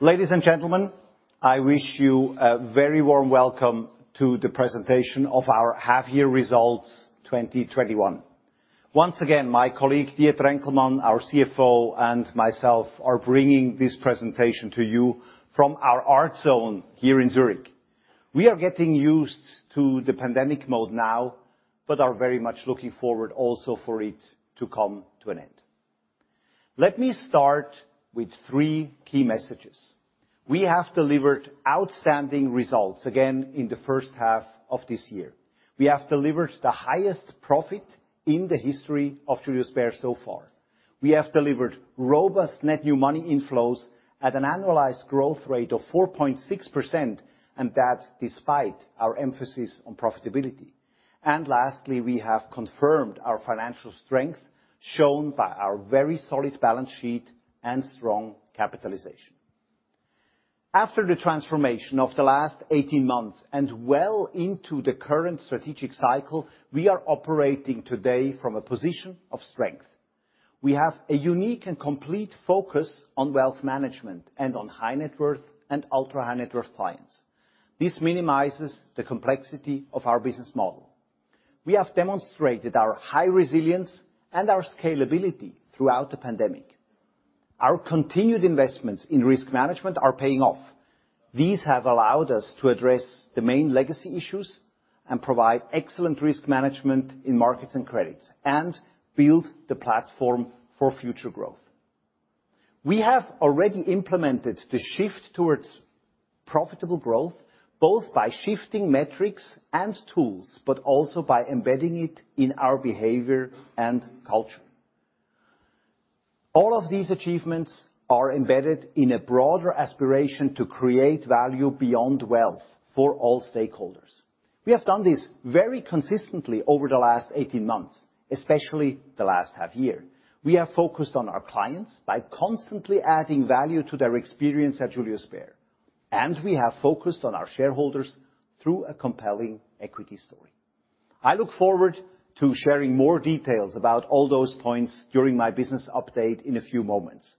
Ladies and gentlemen, I wish you a very warm welcome to the presentation of our half-year results 2021. Once again, my colleague, Dieter Enkelmann, our CFO, and myself are bringing this presentation to you from our art zone here in Zurich. We are getting used to the pandemic mode now, but are very much looking forward also for it to come to an end. Let me start with three key messages. We have delivered outstanding results again in the first half of this year. We have delivered the highest profit in the history of Julius Bär so far. We have delivered robust net new money inflows at an annualized growth rate of 4.6%, and that's despite our emphasis on profitability. Lastly, we have confirmed our financial strength shown by our very solid balance sheet and strong capitalization. After the transformation of the last 18 months and well into the current strategic cycle, we are operating today from a position of strength. We have a unique and complete focus on wealth management and on high-net-worth and ultra-high-net-worth clients. This minimizes the complexity of our business model. We have demonstrated our high resilience and our scalability throughout the pandemic. Our continued investments in risk management are paying off. These have allowed us to address the main legacy issues and provide excellent risk management in markets and credits, and build the platform for future growth. We have already implemented the shift towards profitable growth, both by shifting metrics and tools, but also by embedding it in our behavior and culture. All of these achievements are embedded in a broader aspiration to create value beyond wealth for all stakeholders. We have done this very consistently over the last 18 months, especially the last half year. We are focused on our clients by constantly adding value to their experience at Julius Bär, and we have focused on our shareholders through a compelling equity story. I look forward to sharing more details about all those points during my business update in a few moments.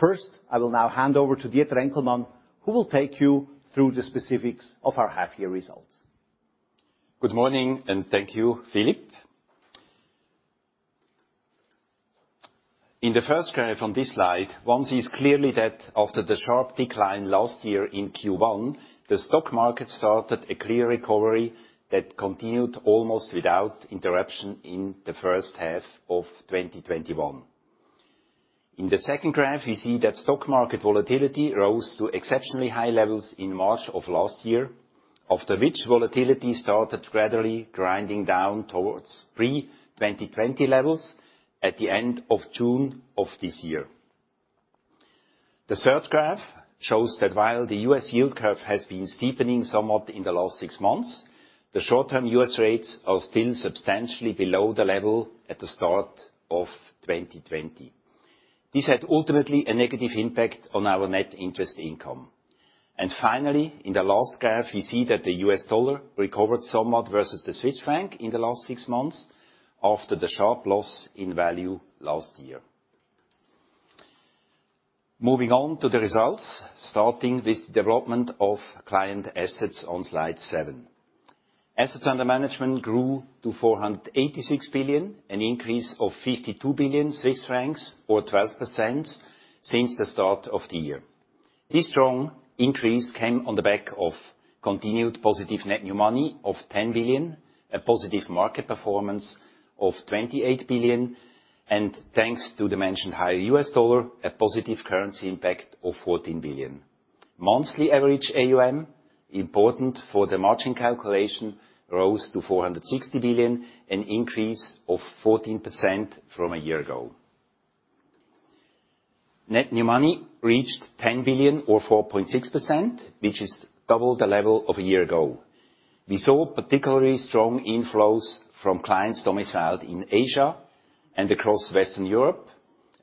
First, I will now hand over to Dieter Enkelmann, who will take you through the specifics of our half-year results. Good morning. Thank you, Philipp. In the first graph on this slide, one sees clearly that after the sharp decline last year in Q1, the stock market started a clear recovery that continued almost without interruption in the first half of 2021. In the second graph, we see that stock market volatility rose to exceptionally high levels in March of last year, after which volatility started gradually grinding down towards pre-2020 levels at the end of June of this year. The third graph shows that while the U.S. yield curve has been steepening somewhat in the last six months, the short-term U.S. rates are still substantially below the level at the start of 2020. This had ultimately a negative impact on our net interest income. Finally, in the last graph, we see that the U.S. dollar recovered somewhat versus the Swiss franc in the last six months after the sharp loss in value last year. Moving on to the results, starting with development of client assets on slide 7. Assets under management grew to 486 billion, an increase of 52 billion Swiss francs, or 12% since the start of the year. This strong increase came on the back of continued positive net new money of 10 billion, a positive market performance of 28 billion, and thanks to the mentioned higher U.S. dollar, a positive currency impact of 14 billion. Monthly average AUM, important for the margin calculation, rose to 460 billion, an increase of 14% from a year ago. Net new money reached 10 billion or 4.6%, which is double the level of a year ago. We saw particularly strong inflows from clients domiciled in Asia and across Western Europe,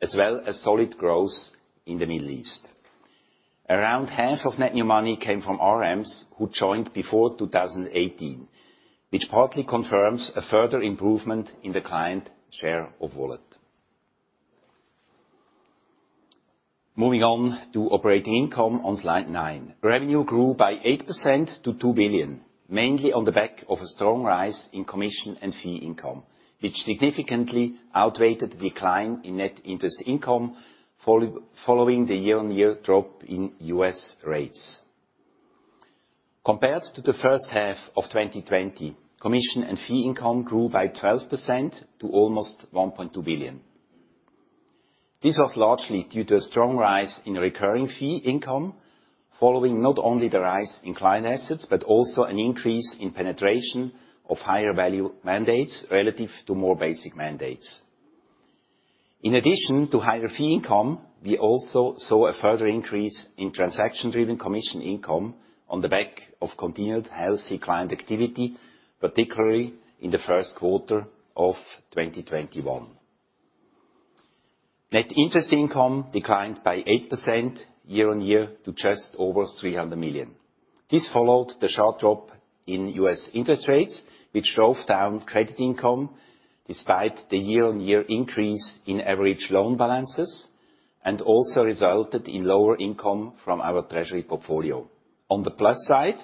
as well as solid growth in the Middle East. Around half of net new money came from RMs who joined before 2018, which partly confirms a further improvement in the client share of wallet. Moving on to operating income on slide 9. Revenue grew by 8% to 2 billion, mainly on the back of a strong rise in commission and fee income, which significantly outweighed decline in net interest income following the year-on-year drop in U.S. rates. Compared to the first half of 2020, commission and fee income grew by 12% to almost 1.2 billion. This was largely due to a strong rise in recurring fee income following not only the rise in client assets, but also an increase in penetration of higher value mandates relative to more basic mandates. In addition to higher fee income, we also saw a further increase in transaction-driven commission income on the back of continued healthy client activity, particularly in the first quarter of 2021. Net interest income declined by 8% year-on-year to just over 300 million. This followed the sharp drop in U.S. interest rates, which drove down credit income despite the year-on-year increase in average loan balances, and also resulted in lower income from our treasury portfolio. On the plus side,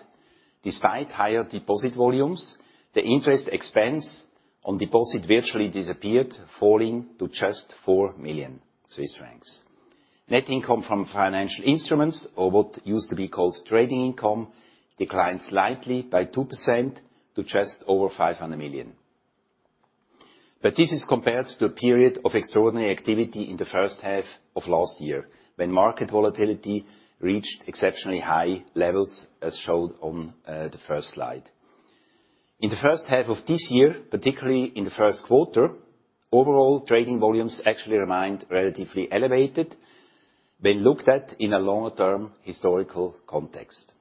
despite higher deposit volumes, the interest expense on deposit virtually disappeared, falling to just 4 million Swiss francs. Net income from financial instruments, or what used to be called trading income, declined slightly by 2% to just over 500 million. This is compared to a period of extraordinary activity in the first half of last year, when market volatility reached exceptionally high levels, as showed on the first slide. In the first half of this year, particularly in the first quarter, overall trading volumes actually remained relatively elevated when looked at in a longer-term historical context.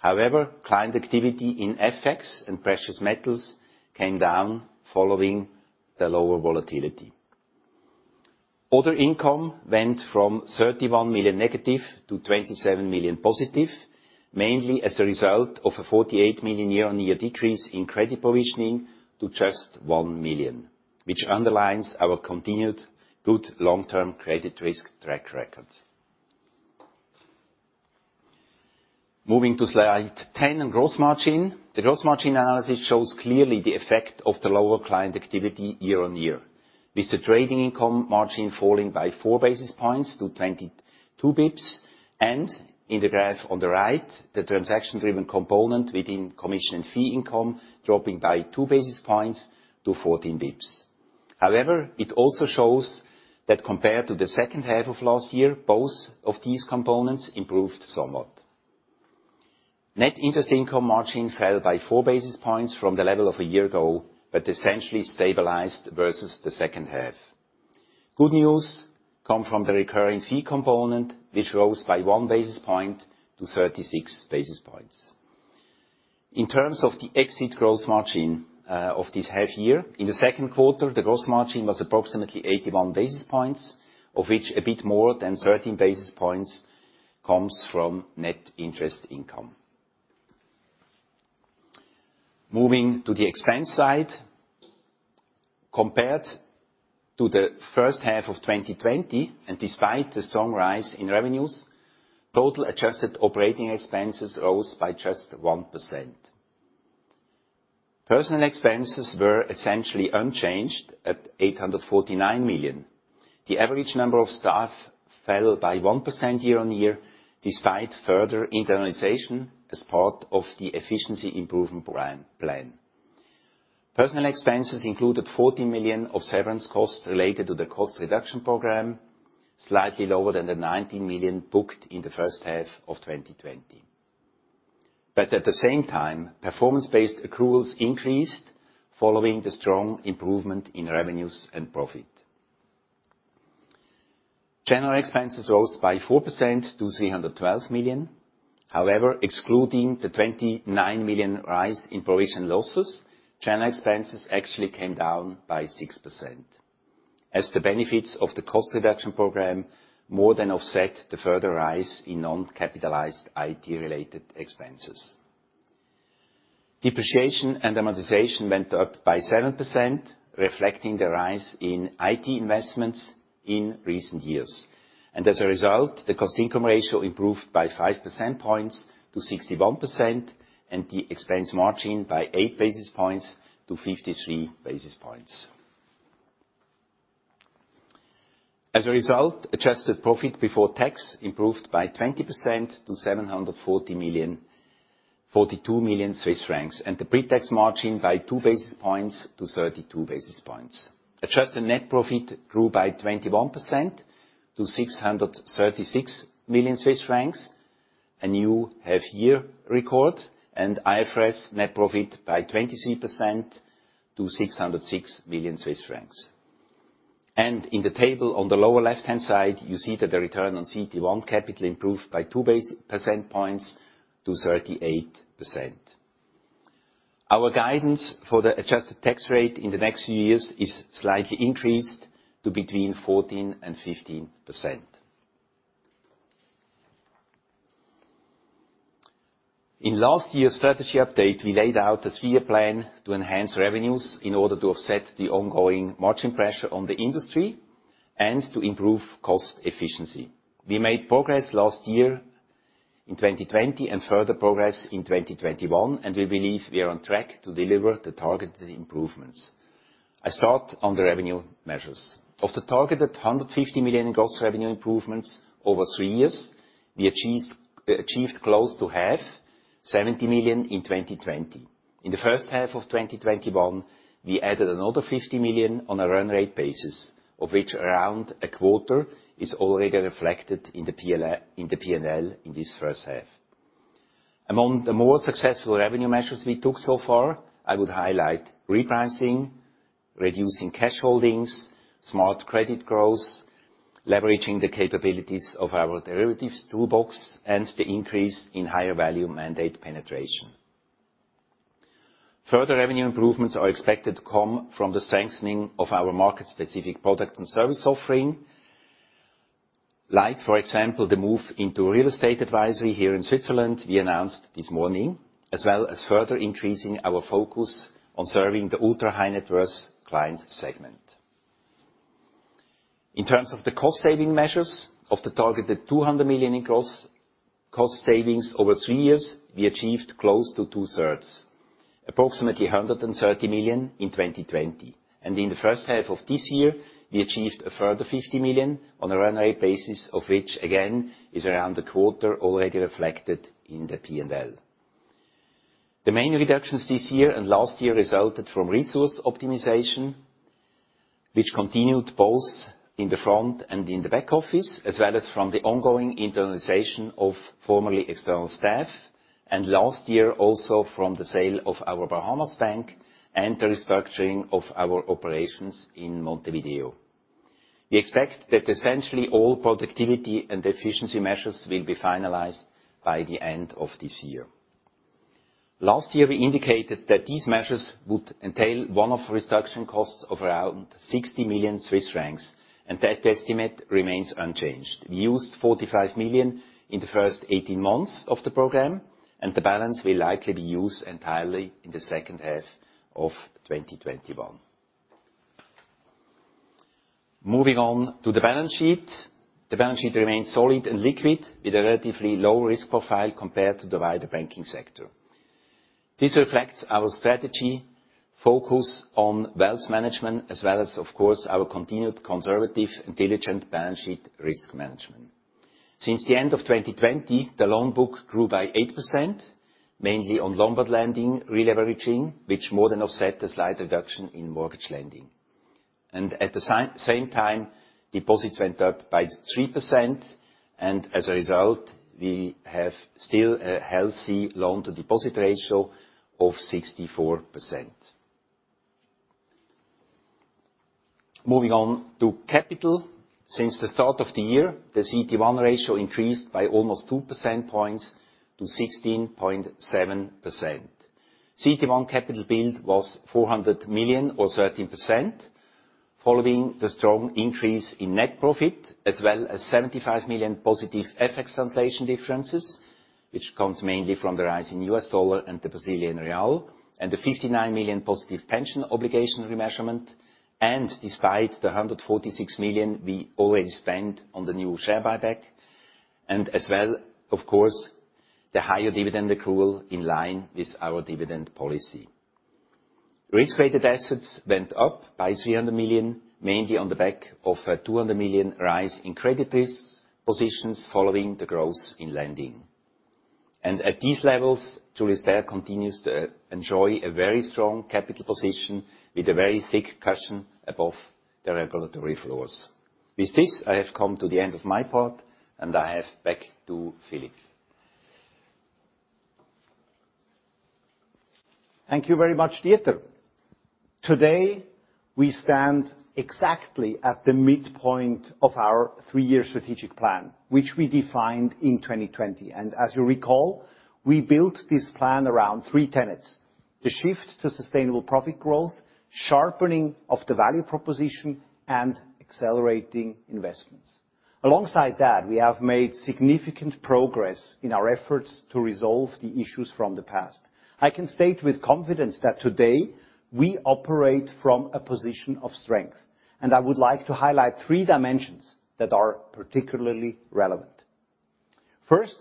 Client activity in FX and precious metals came down following the lower volatility. Other income went from 31 million negative to 27 million positive, mainly as a result of a 48 million year-on-year decrease in credit provisioning to just 1 million, which underlines our continued good long-term credit risk track record. Moving to slide 10 on gross margin. The gross margin analysis shows clearly the effect of the lower client activity year on year, with the trading income margin falling by 4 basis points to 22 basis points, and in the graph on the right, the transaction-driven component within commission and fee income dropping by 2 basis points to 14 basis points. It also shows that compared to the second half of last year, both of these components improved somewhat. Net Interest Income margin fell by 4 basis points from the level of a year ago, but essentially stabilized versus the second half. Good news come from the recurring fee component, which rose by 1 basis point to 36 basis points. In terms of the exit gross margin of this half year, in the second quarter, the gross margin was approximately 81 basis points, of which a bit more than 13 basis points comes from net interest income. Moving to the expense side. Compared to the first half of 2020, and despite the strong rise in revenues, total adjusted operating expenses rose by just 1%. Personnel expenses were essentially unchanged at 849 million. The average number of staff fell by 1% year-on-year, despite further internalization as part of the efficiency improvement plan. Personnel expenses included 14 million of severance costs related to the cost reduction program, slightly lower than the 19 million booked in the first half of 2020. At the same time, performance-based accruals increased following the strong improvement in revenues and profit. General expenses rose by 4% to 312 million. However, excluding the 29 million rise in provision losses, general expenses actually came down by 6%, as the benefits of the cost reduction program more than offset the further rise in non-capitalized IT-related expenses. Depreciation and amortization went up by 7%, reflecting the rise in IT investments in recent years. As a result, the cost income ratio improved by 5 percentage points to 61%, and the expense margin by 8 basis points to 53 basis points. As a result, adjusted profit before tax improved by 20% to 742 million, and the pre-tax margin by 2 basis points to 32 basis points. Adjusted net profit grew by 21% to 636 million Swiss francs, a new half-year record, and IFRS net profit by 23% to 606 million Swiss francs. In the table on the lower left-hand side, you see that the return on CET1 capital improved by 2 percentage points to 38%. Our guidance for the adjusted tax rate in the next few years is slightly increased to between 14% and 15%. In last year's strategy update, we laid out a three-year plan to enhance revenues in order to offset the ongoing margin pressure on the industry and to improve cost efficiency. We made progress last year in 2020 and further progress in 2021, and we believe we are on track to deliver the targeted improvements. I start on the revenue measures. Of the targeted 150 million in gross revenue improvements over three years, we achieved close to half, 70 million, in 2020. In the first half of 2021, we added another 50 million on a run rate basis, of which around a quarter is already reflected in the P&L in this first half. Among the more successful revenue measures we took so far, I would highlight repricing, reducing cash holdings, smart credit growth, leveraging the capabilities of our derivatives toolbox, and the increase in higher value mandate penetration. Revenue improvements are expected to come from the strengthening of our market-specific product and service offering, like, for example, the move into real estate advisory here in Switzerland we announced this morning, as well as further increasing our focus on serving the ultra-high-net-worth client segment. In terms of the cost saving measures, of the targeted 200 million in cost savings over three years, we achieved close to two-thirds, approximately 130 million in 2020. In the first half of this year, we achieved a further 50 million on a run-rate basis of which, again, is around a quarter already reflected in the P&L. The main reductions this year and last year resulted from resource optimization, which continued both in the front and in the back office, as well as from the ongoing internalization of formerly external staff, and last year also from the sale of our Bahamas bank and the restructuring of our operations in Montevideo. We expect that essentially all productivity and efficiency measures will be finalized by the end of this year. Last year, we indicated that these measures would entail one-off reduction costs of around 60 million Swiss francs, and that estimate remains unchanged. We used 45 million in the first 18 months of the program, and the balance will likely be used entirely in the second half of 2021. Moving on to the balance sheet. The balance sheet remains solid and liquid, with a relatively low risk profile compared to the wider banking sector. This reflects our strategy, focus on wealth management, as well as, of course, our continued conservative, intelligent balance sheet risk management. Since the end of 2020, the loan book grew by 8%, mainly on Lombard lending releveraging, which more than offset a slight reduction in mortgage lending. At the same time, deposits went up by 3%, and as a result, we have still a healthy loan-to-deposit ratio of 64%. Moving on to capital. Since the start of the year, the CET1 ratio increased by almost 2 percentage points to 16.7%. CET1 capital build was 400 million or 13% following the strong increase in net profit, as well as 75 million positive FX translation differences, which comes mainly from the rise in U.S. dollar and the Brazilian real, and the 59 million positive pension obligation remeasurement, and despite the 146 million we already spent on the new share buyback, and as well, of course, the higher dividend accrual in line with our dividend policy. Risk-weighted assets went up by 300 million, mainly on the back of a 200 million rise in credit risk positions following the growth in lending. At these levels, Julius Bär continues to enjoy a very strong capital position with a very thick cushion above the regulatory floors. With this, I have come to the end of my part, and I hand back to Philipp. Thank you very much, Dieter. Today, we stand exactly at the midpoint of our three-year strategic plan, which we defined in 2020. As you recall, we built this plan around three tenets: the shift to sustainable profit growth, sharpening of the value proposition, and accelerating investments. Alongside that, we have made significant progress in our efforts to resolve the issues from the past. I can state with confidence that today we operate from a position of strength, and I would like to highlight three dimensions that are particularly relevant. First,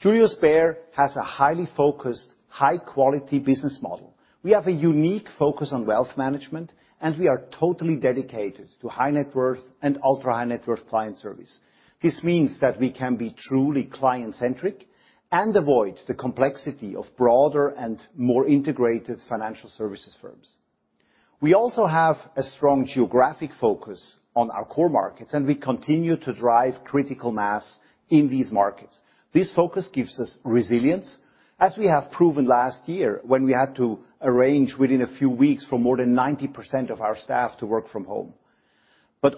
Julius Bär has a highly focused, high-quality business model. We have a unique focus on wealth management, and we are totally dedicated to high-net-worth and ultra-high-net-worth client service. This means that we can be truly client-centric and avoid the complexity of broader and more integrated financial services firms. We also have a strong geographic focus on our core markets. We continue to drive critical mass in these markets. This focus gives us resilience, as we have proven last year when we had to arrange within a few weeks for more than 90% of our staff to work from home.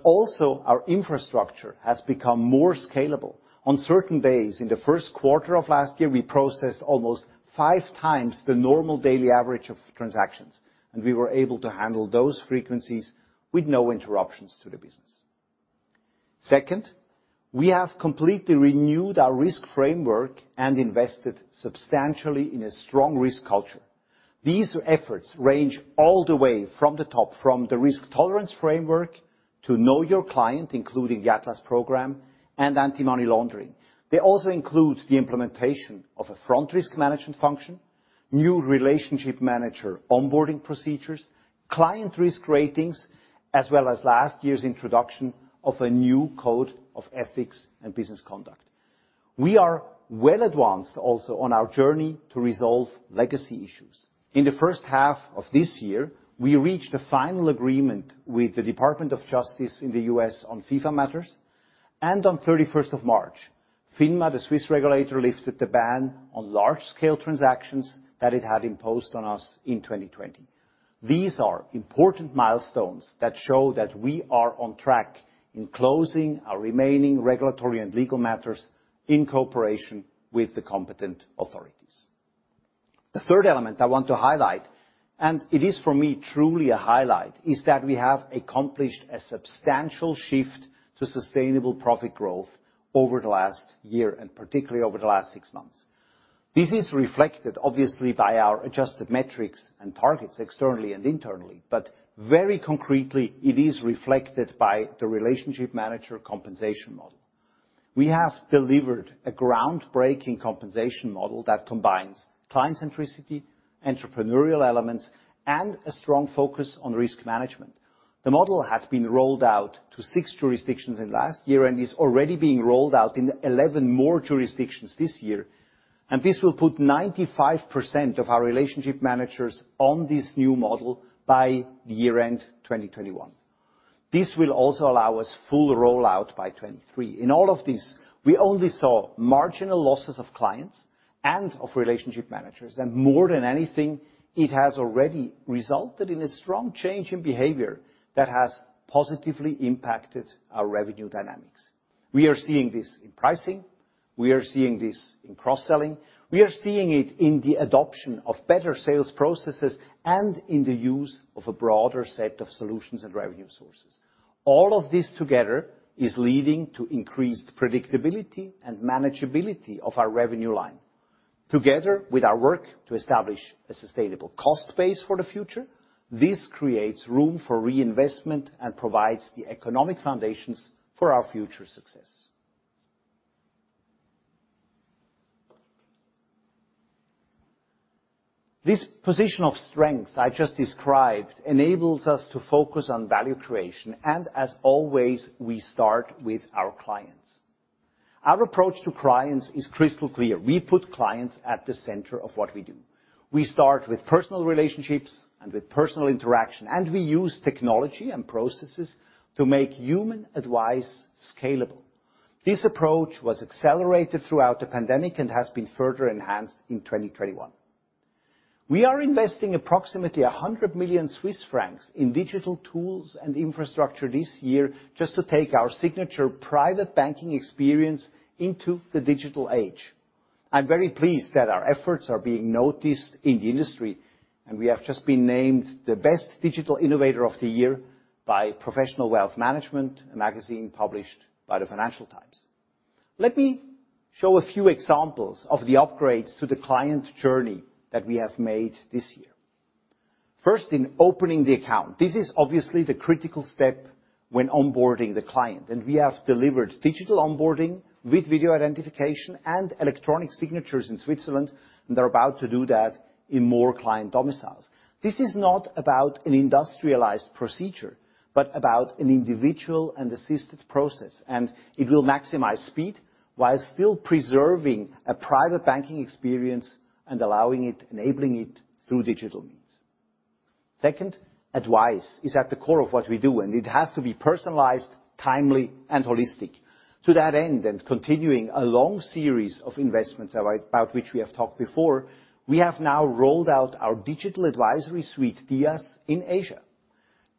Also, our infrastructure has become more scalable. On certain days in the first quarter of last year, we processed almost five times the normal daily average of transactions, and we were able to handle those frequencies with no interruptions to the business. Second, we have completely renewed our risk framework and invested substantially in a strong risk culture. These efforts range all the way from the top, from the risk tolerance framework, to Know Your Client, including the Atlas program and anti-money laundering. They also include the implementation of a front risk management function, new relationship manager onboarding procedures, client risk ratings, as well as last year's introduction of a new code of ethics and business conduct. We are well advanced also on our journey to resolve legacy issues. In the first half of this year, we reached a final agreement with the Department of Justice in the U.S. on FIFA matters, and on 31st of March, FINMA, the Swiss regulator, lifted the ban on large-scale transactions that it had imposed on us in 2020. These are important milestones that show that we are on track in closing our remaining regulatory and legal matters in cooperation with the competent authorities. The third element I want to highlight, and it is for me truly a highlight, is that we have accomplished a substantial shift to sustainable profit growth over the last year and particularly over the last six months. This is reflected obviously by our adjusted metrics and targets externally and internally, but very concretely, it is reflected by the relationship manager compensation model. We have delivered a groundbreaking compensation model that combines client centricity, entrepreneurial elements, and a strong focus on risk management. The model had been rolled out to six jurisdictions in the last year and is already being rolled out in 11 more jurisdictions this year. This will put 95% of our relationship managers on this new model by the year-end 2021. This will also allow us full rollout by 2023. In all of this, we only saw marginal losses of clients and of relationship managers. More than anything, it has already resulted in a strong change in behavior that has positively impacted our revenue dynamics. We are seeing this in pricing, we are seeing this in cross-selling, we are seeing it in the adoption of better sales processes and in the use of a broader set of solutions and revenue sources. All of this together is leading to increased predictability and manageability of our revenue line. Together with our work to establish a sustainable cost base for the future, this creates room for reinvestment and provides the economic foundations for our future success. This position of strength I just described enables us to focus on value creation, and as always, we start with our clients. Our approach to clients is crystal clear. We put clients at the center of what we do. We start with personal relationships and with personal interaction, and we use technology and processes to make human advice scalable. This approach was accelerated throughout the pandemic and has been further enhanced in 2021. We are investing approximately 100 million Swiss francs in digital tools and infrastructure this year just to take our signature private banking experience into the digital age. I'm very pleased that our efforts are being noticed in the industry, and we have just been named the best digital innovator of the year by Professional Wealth Management, a magazine published by the Financial Times. Let me show a few examples of the upgrades to the client journey that we have made this year. First, in opening the account. This is obviously the critical step when onboarding the client. We have delivered digital onboarding with video identification and electronic signatures in Switzerland, and are about to do that in more client domiciles. This is not about an industrialized procedure, but about an individual and assisted process, and it will maximize speed while still preserving a private banking experience, enabling it through digital means. Second, advice is at the core of what we do, and it has to be personalized, timely, and holistic. To that end, and continuing a long series of investments about which we have talked before, we have now rolled out our Digital Advisory Suite, DiAS, in Asia.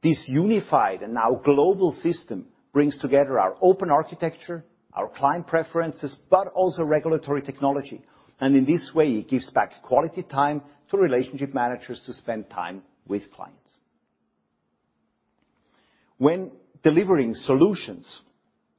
This unified and now global system brings together our open architecture, our client preferences, but also regulatory technology. In this way, it gives back quality time to relationship managers to spend time with clients. When delivering solutions,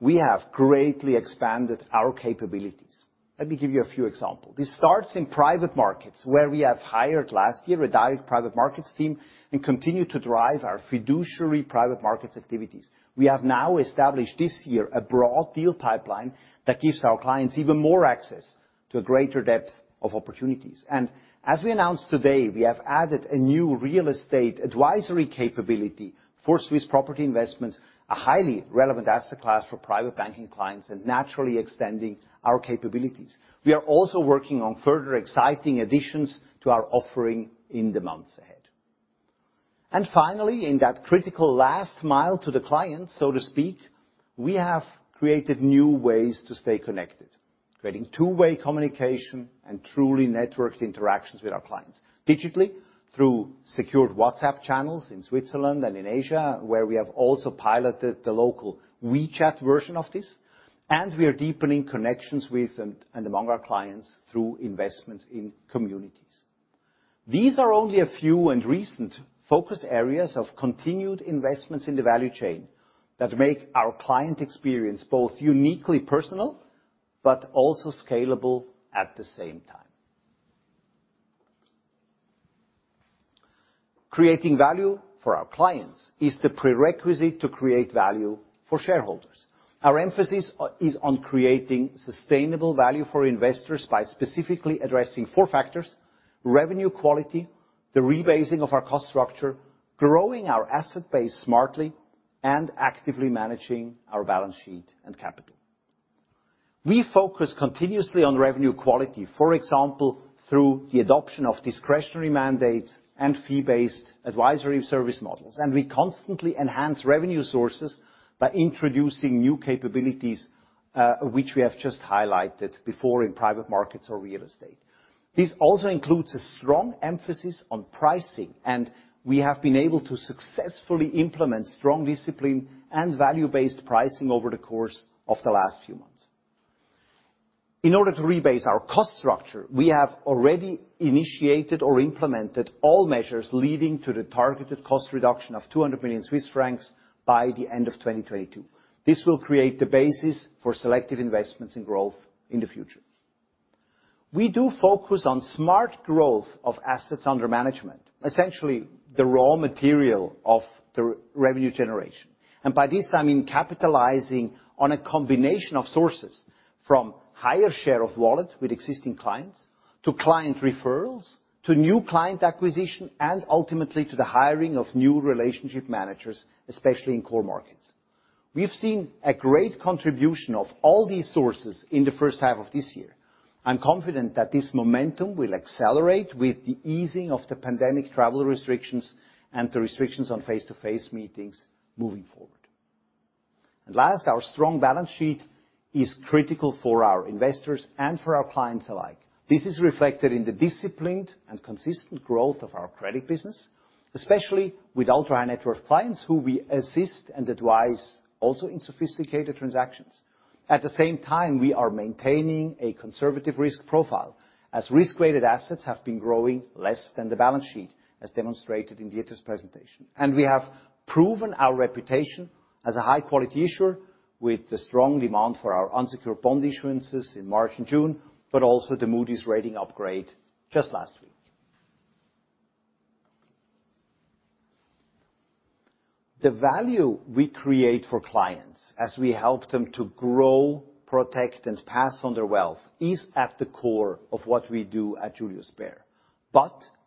we have greatly expanded our capabilities. Let me give you a few example. This starts in private markets, where we have hired last year a direct private markets team and continue to drive our fiduciary private markets activities. We have now established this year a broad deal pipeline that gives our clients even more access to a greater depth of opportunities. As we announced today, we have added a new real estate advisory capability for Swiss property investments, a highly relevant asset class for private banking clients and naturally extending our capabilities. We are also working on further exciting additions to our offering in the months ahead. Finally, in that critical last mile to the client, so to speak, we have created new ways to stay connected, creating two-way communication and truly networked interactions with our clients digitally through secured WhatsApp channels in Switzerland and in Asia, where we have also piloted the local WeChat version of this. We are deepening connections with and among our clients through investments in communities. These are only a few and recent focus areas of continued investments in the value chain that make our client experience both uniquely personal, but also scalable at the same time. Creating value for our clients is the prerequisite to create value for shareholders. Our emphasis is on creating sustainable value for investors by specifically addressing four factors: revenue quality, the rebasing of our cost structure, growing our asset base smartly, and actively managing our balance sheet and capital. We focus continuously on revenue quality, for example, through the adoption of discretionary mandates and fee-based advisory service models, and we constantly enhance revenue sources by introducing new capabilities, which we have just highlighted before in private markets or real estate. This also includes a strong emphasis on pricing. We have been able to successfully implement strong discipline and value-based pricing over the course of the last few months. In order to rebase our cost structure, we have already initiated or implemented all measures leading to the targeted cost reduction of 200 million Swiss francs by the end of 2022. This will create the basis for selective investments in growth in the future. We do focus on smart growth of assets under management, essentially the raw material of the revenue generation. By this, I mean capitalizing on a combination of sources, from higher share of wallet with existing clients, to client referrals, to new client acquisition, and ultimately, to the hiring of new relationship managers, especially in core markets. We've seen a great contribution of all these sources in the first half of this year. I'm confident that this momentum will accelerate with the easing of the pandemic travel restrictions and the restrictions on face-to-face meetings moving forward. Last, our strong balance sheet is critical for our investors and for our clients alike. This is reflected in the disciplined and consistent growth of our credit business, especially with ultra-high-net-worth clients who we assist and advise also in sophisticated transactions. At the same time, we are maintaining a conservative risk profile, as risk-weighted assets have been growing less than the balance sheet, as demonstrated in Dieter's presentation. We have proven our reputation as a high-quality issuer with the strong demand for our unsecured bond issuances in March and June, but also the Moody's rating upgrade just last week. The value we create for clients as we help them to grow, protect, and pass on their wealth is at the core of what we do at Julius Bär.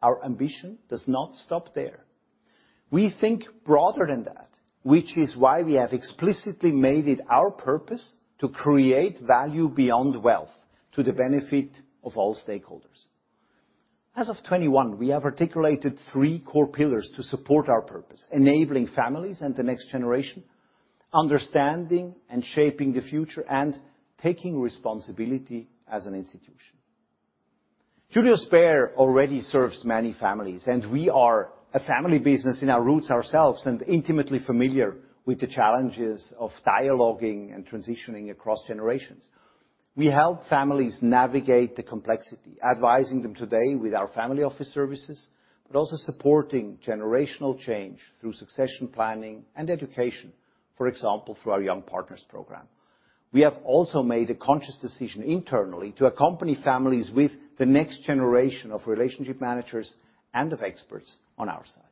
Our ambition does not stop there. We think broader than that, which is why we have explicitly made it our purpose to create value beyond wealth to the benefit of all stakeholders. As of 2021, we have articulated three core pillars to support our purpose: enabling families and the next generation, understanding and shaping the future, and taking responsibility as an institution. Julius Bär already serves many families, we are a family business in our roots ourselves and intimately familiar with the challenges of dialoguing and transitioning across generations. We help families navigate the complexity, advising them today with our family office services, also supporting generational change through succession planning and education, for example, through our Young Partners program. We have also made a conscious decision internally to accompany families with the next generation of relationship managers and of experts on our side.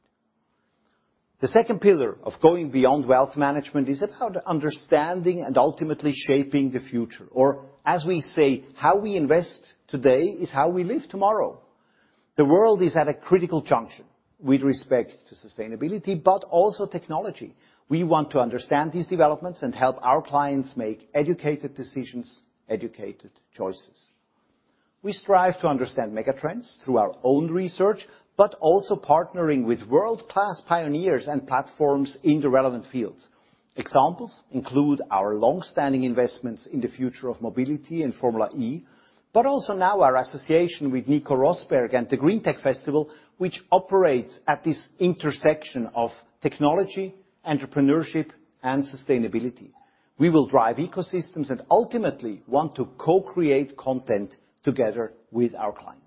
The second pillar of going beyond wealth management is about understanding and ultimately shaping the future. As we say, how we invest today is how we live tomorrow. The world is at a critical junction with respect to sustainability, also technology. We want to understand these developments and help our clients make educated decisions, educated choices. We strive to understand mega trends through our own research, but also partnering with world-class pioneers and platforms in the relevant fields. Examples include our long-standing investments in the future of mobility and Formula E, but also now our association with Nico Rosberg and the GreenTech Festival, which operates at this intersection of technology, entrepreneurship, and sustainability. We will drive ecosystems and ultimately want to co-create content together with our clients.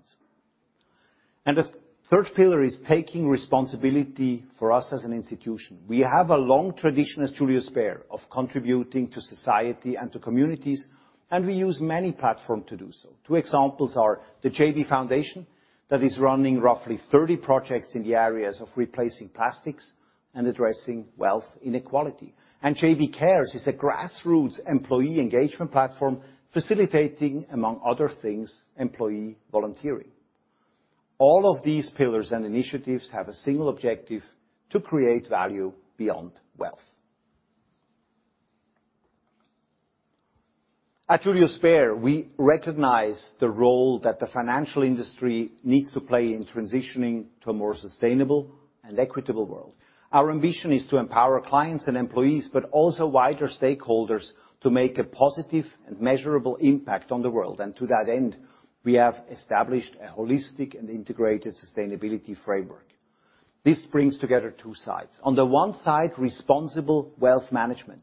The third pillar is taking responsibility for us as an institution. We have a long tradition as Julius Bär of contributing to society and to communities, and we use many platform to do so. Two examples are the JB Foundation that is running roughly 30 projects in the areas of replacing plastics and addressing wealth inequality. JB Cares is a grassroots employee engagement platform facilitating, among other things, employee volunteering. All of these pillars and initiatives have a single objective, to create value beyond wealth. At Julius Bär, we recognize the role that the financial industry needs to play in transitioning to a more sustainable and equitable world. Our ambition is to empower clients and employees, but also wider stakeholders, to make a positive and measurable impact on the world. To that end, we have established a holistic and integrated sustainability framework. This brings together two sides. On the one side, responsible wealth management.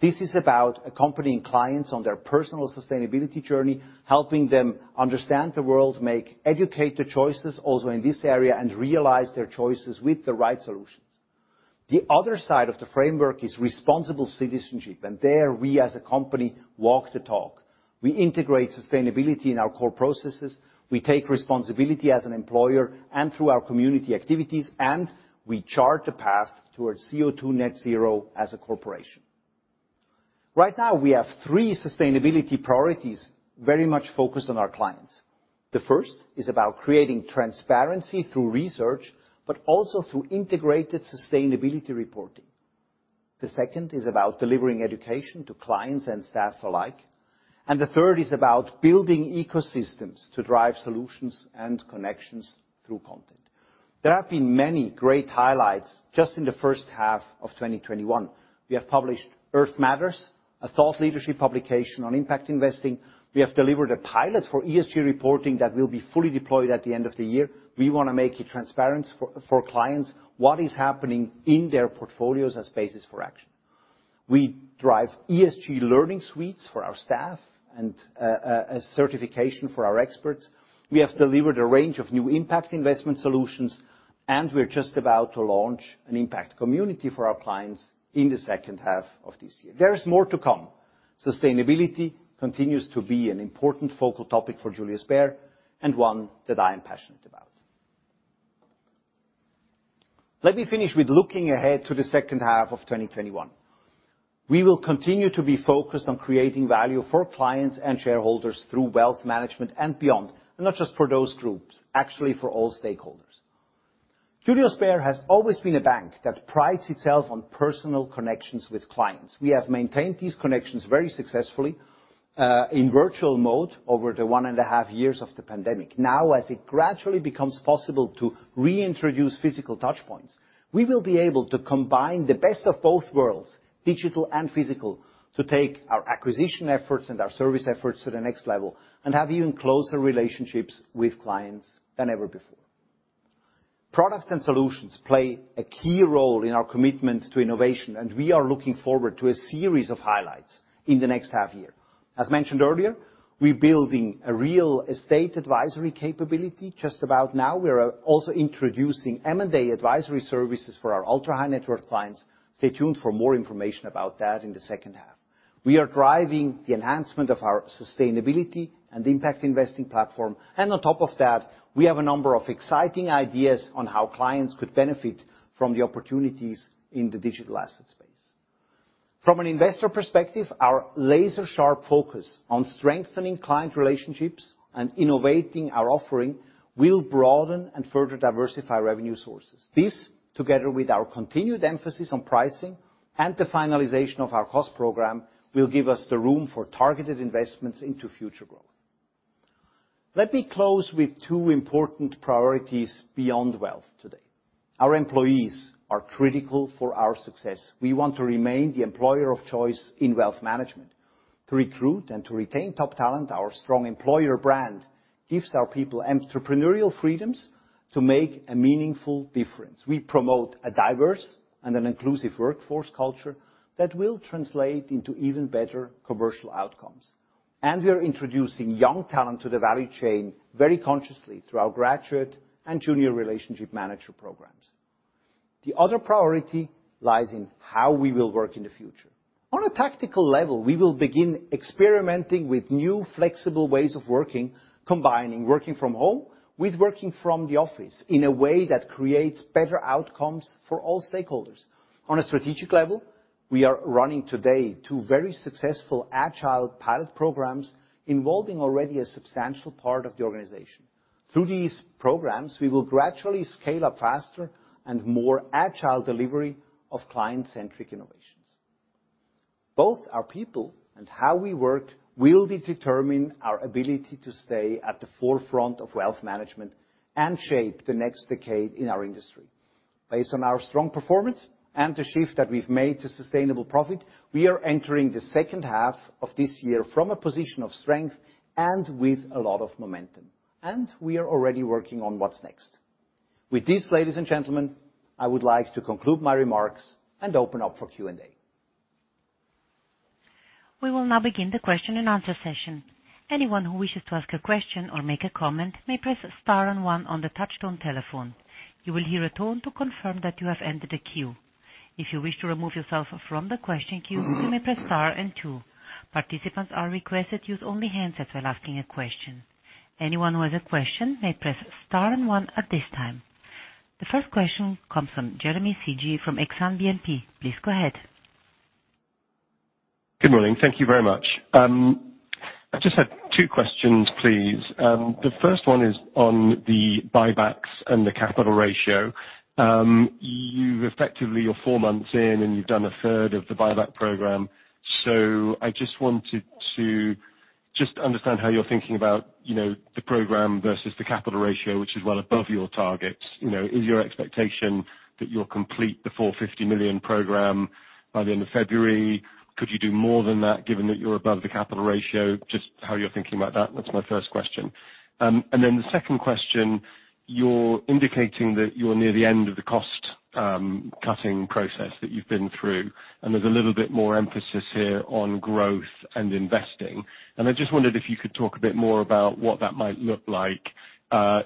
This is about accompanying clients on their personal sustainability journey, helping them understand the world, make educated choices also in this area, and realize their choices with the right solutions. The other side of the framework is responsible citizenship. There we as a company walk the talk. We integrate sustainability in our core processes, we take responsibility as an employer and through our community activities, and we chart the path towards CO2 net zero as a corporation. Right now, we have three sustainability priorities very much focused on our clients. The first is about creating transparency through research, but also through integrated sustainability reporting. The second is about delivering education to clients and staff alike. The third is about building ecosystems to drive solutions and connections through content. There have been many great highlights just in the first half of 2021. We have published Earth Matters, a thought leadership publication on impact investing. We have delivered a pilot for ESG reporting that will be fully deployed at the end of the year. We want to make it transparent for clients what is happening in their portfolios as basis for action. We drive ESG learning suites for our staff and a certification for our experts. We have delivered a range of new impact investment solutions, and we're just about to launch an impact community for our clients in the second half of this year. There is more to come. Sustainability continues to be an important focal topic for Julius Bär, and one that I am passionate about. Let me finish with looking ahead to the second half of 2021. We will continue to be focused on creating value for clients and shareholders through wealth management and beyond. Not just for those groups, actually for all stakeholders. Julius Bär has always been a bank that prides itself on personal connections with clients. We have maintained these connections very successfully in virtual mode over the 1.5 years of the pandemic. Now, as it gradually becomes possible to reintroduce physical touchpoints, we will be able to combine the best of both worlds, digital and physical, to take our acquisition efforts and our service efforts to the next level and have even closer relationships with clients than ever before. Products and solutions play a key role in our commitment to innovation. We are looking forward to a series of highlights in the next half year. As mentioned earlier, we're building a real estate advisory capability just about now. We are also introducing M&A advisory services for our ultra-high-net-worth clients. Stay tuned for more information about that in the second half. We are driving the enhancement of our sustainability and impact investing platform. On top of that, we have a number of exciting ideas on how clients could benefit from the opportunities in the digital asset space. From an investor perspective, our laser-sharp focus on strengthening client relationships and innovating our offering will broaden and further diversify revenue sources. This, together with our continued emphasis on pricing and the finalization of our cost program, will give us the room for targeted investments into future growth. Let me close with two important priorities beyond wealth today. Our employees are critical for our success. We want to remain the employer of choice in wealth management. To recruit and to retain top talent, our strong employer brand gives our people entrepreneurial freedoms to make a meaningful difference. We promote a diverse and an inclusive workforce culture that will translate into even better commercial outcomes. We are introducing young talent to the value chain very consciously through our graduate and junior relationship manager programs. The other priority lies in how we will work in the future. On a tactical level, we will begin experimenting with new, flexible ways of working, combining working from home with working from the office in a way that creates better outcomes for all stakeholders. On a strategic level, we are running today two very successful agile pilot programs involving already a substantial part of the organization. Through these programs, we will gradually scale up faster and more agile delivery of client-centric innovations. Both our people and how we work will determine our ability to stay at the forefront of wealth management and shape the next decade in our industry. Based on our strong performance and the shift that we've made to sustainable profit, we are entering the second half of this year from a position of strength and with a lot of momentum. We are already working on what's next. With this, ladies and gentlemen, I would like to conclude my remarks and open up for Q&A. We will now begin the question and answer session. Anyone who wishes to ask a question or make a comment may press star one on the touchtone telephone. You will hear a tone to confirm that you have entered the queue. If you wish to remove yourself from the question queue, you may press star two. Participants are requested use only handsets while asking a question. Anyone who has a question may press star one at this time. The first question comes from Jeremy Sigee from Exane BNP Paribas. Please go ahead. Good morning. Thank you very much. I just have two questions, please. The first one is on the buybacks and the capital ratio. You're four months in, and you've done a third of the buyback program. I just wanted to understand how you're thinking about, you know, the program versus the capital ratio, which is well above your targets. You know, is your expectation that you'll complete the 450 million program by the end of February? Could you do more than that given that you're above the capital ratio? Just how you're thinking about that. That's my first question. Then the second question, you're indicating that you're near the end of the cost cutting process that you've been through, and there's a little bit more emphasis here on growth and investing. I just wondered if you could talk a bit more about what that might look like,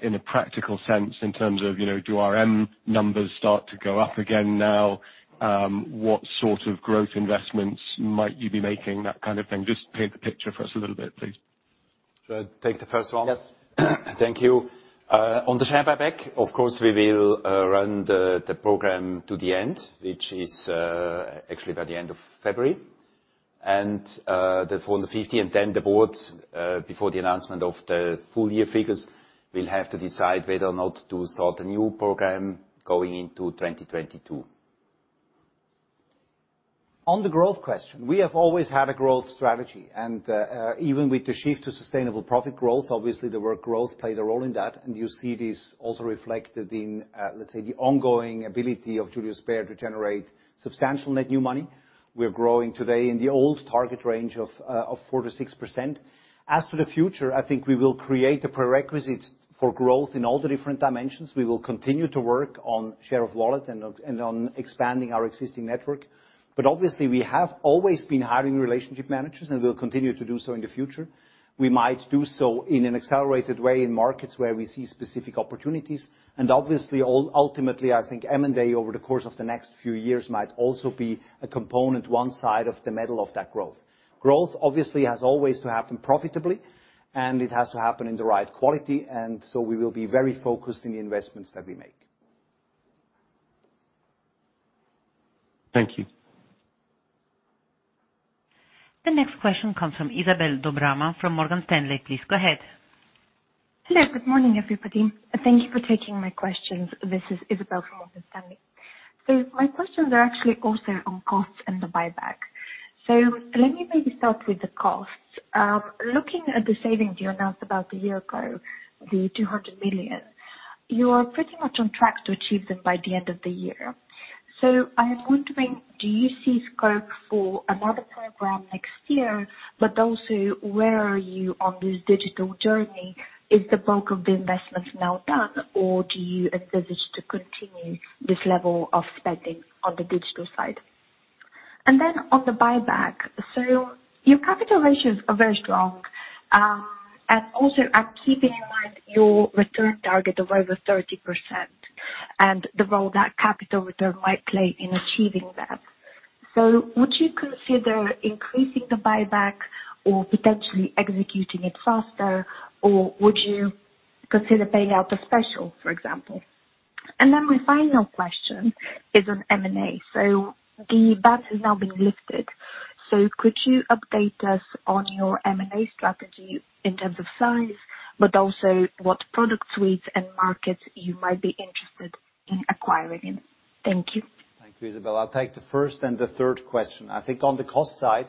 in a practical sense in terms of, you know, do RM numbers start to go up again now? What sort of growth investments might you be making? That kind of thing. Just paint the picture for us a little bit, please. Shall I take the first one? Yes. Thank you. On the share buyback, of course, we will run the program to the end, which is actually by the end of February. The full 50 and then the Board's before the announcement of the full year figures will have to decide whether or not to start a new program going into 2022. On the growth question, we have always had a growth strategy. Even with the shift to sustainable profit growth, obviously the word growth played a role in that. You see this also reflected in, let's say, the ongoing ability of Julius Bär to generate substantial net new money. We're growing today in the old target range of 4%-6%. As to the future, I think we will create the prerequisites for growth in all the different dimensions. We will continue to work on share of wallet and on expanding our existing network. Obviously, we have always been hiring relationship managers, and we'll continue to do so in the future. We might do so in an accelerated way in markets where we see specific opportunities. Obviously, ultimately, I think M&A over the course of the next few years might also be a component, one side of the middle of that growth. Growth obviously has always to happen profitably, and it has to happen in the right quality, and so we will be very focused in the investments that we make. Thank you. The next question comes from Izabel Dobreva from Morgan Stanley. Please go ahead. Hello. Good morning, everybody. Thank you for taking my questions. This is Izabel Dobreva from Morgan Stanley. My questions are actually also on costs and the buyback. Let me maybe start with the costs. Looking at the savings you announced about a year ago, the 200 million, you're pretty much on track to achieve them by the end of the year. I am wondering, do you see scope for another program next year, but also where are you on this digital journey? Is the bulk of the investments now done, or do you envisage to continue this level of spending on the digital side? Then on the buyback. Your capital ratios are very strong, and also keeping in mind your return target of over 30% and the role that capital return might play in achieving that. Would you consider increasing the buyback or potentially executing it faster, or would you consider paying out a special, for example? My final question is on M&A. The ban has now been lifted. Could you update us on your M&A strategy in terms of size, but also what product suites and markets you might be interested in acquiring? Thank you. Thank you, Izabel. I'll take the first and the third question. I think on the cost side,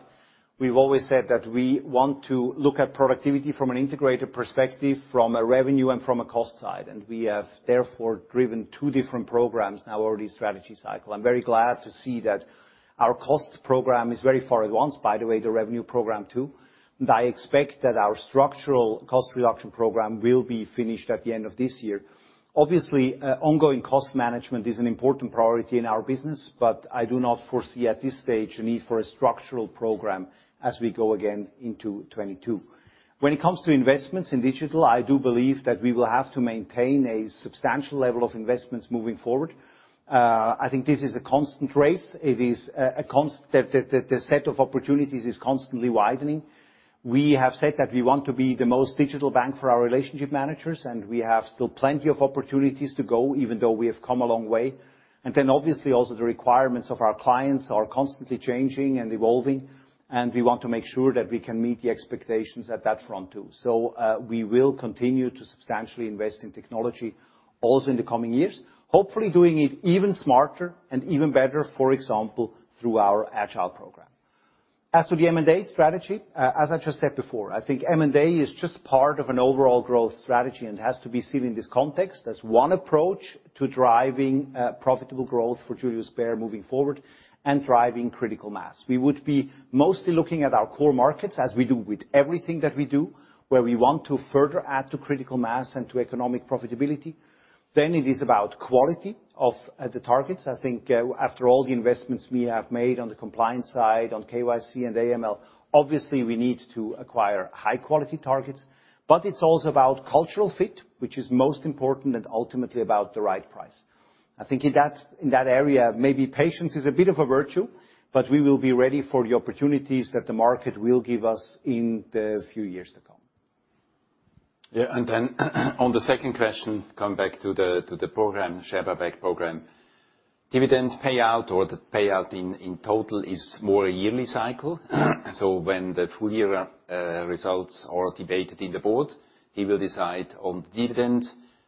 we've always said that we want to look at productivity from an integrated perspective, from a revenue and from a cost side. We have therefore driven 2 different programs now already strategy cycle. I'm very glad to see that our cost program is very far advanced, by the way, the Revenue Program too. I expect that our structural cost reduction program will be finished at the end of this year. Obviously, ongoing cost management is an important priority in our business, but I do not foresee at this stage a need for a structural program as we go again into 2022. When it comes to investments in digital, I do believe that we will have to maintain a substantial level of investments moving forward. I think this is a constant race. It is, the set of opportunities is constantly widening. We have said that we want to be the most digital bank for our relationship managers, and we have still plenty of opportunities to go, even though we have come a long way. Obviously also the requirements of our clients are constantly changing and evolving, and we want to make sure that we can meet the expectations at that front too. We will continue to substantially invest in technology also in the coming years. Hopefully, doing it even smarter and even better, for example, through our agile program. As to the M&A strategy, as I just said before, I think M&A is just part of an overall growth strategy and has to be seen in this context as one approach to driving profitable growth for Julius Bär moving forward and driving critical mass. We would be mostly looking at our core markets as we do with everything that we do, where we want to further add to critical mass and to economic profitability. It is about quality of the targets. I think after all the investments we have made on the compliance side, on KYC and AML, obviously we need to acquire high-quality targets. It's also about cultural fit, which is most important, and ultimately about the right price. I think in that area, maybe patience is a bit of a virtue, but we will be ready for the opportunities that the market will give us in the few years to come. On the second question, come back to the program, share buyback program. Dividend payout or the payout in total is more a yearly cycle. When the full year results are debated in the board, he will decide on dividend,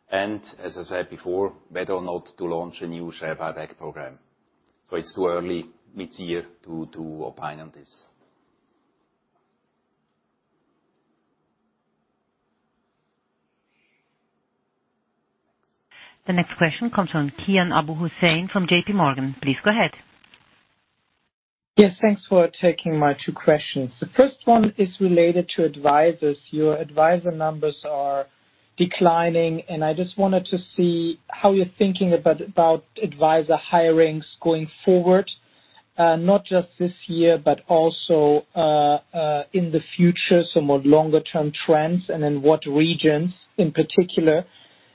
and as I said before, whether or not to launch a new share buyback program. It's too early mid-year to opine on this. The next question comes from Kian Abouhossein from JPMorgan. Please go ahead. Yes, thanks for taking my two questions. The first one is related to advisors. Your advisor numbers are declining, and I just wanted to see how you're thinking about advisor hirings going forward, not just this year, but also in the future, so more longer-term trends, and in what regions in particular,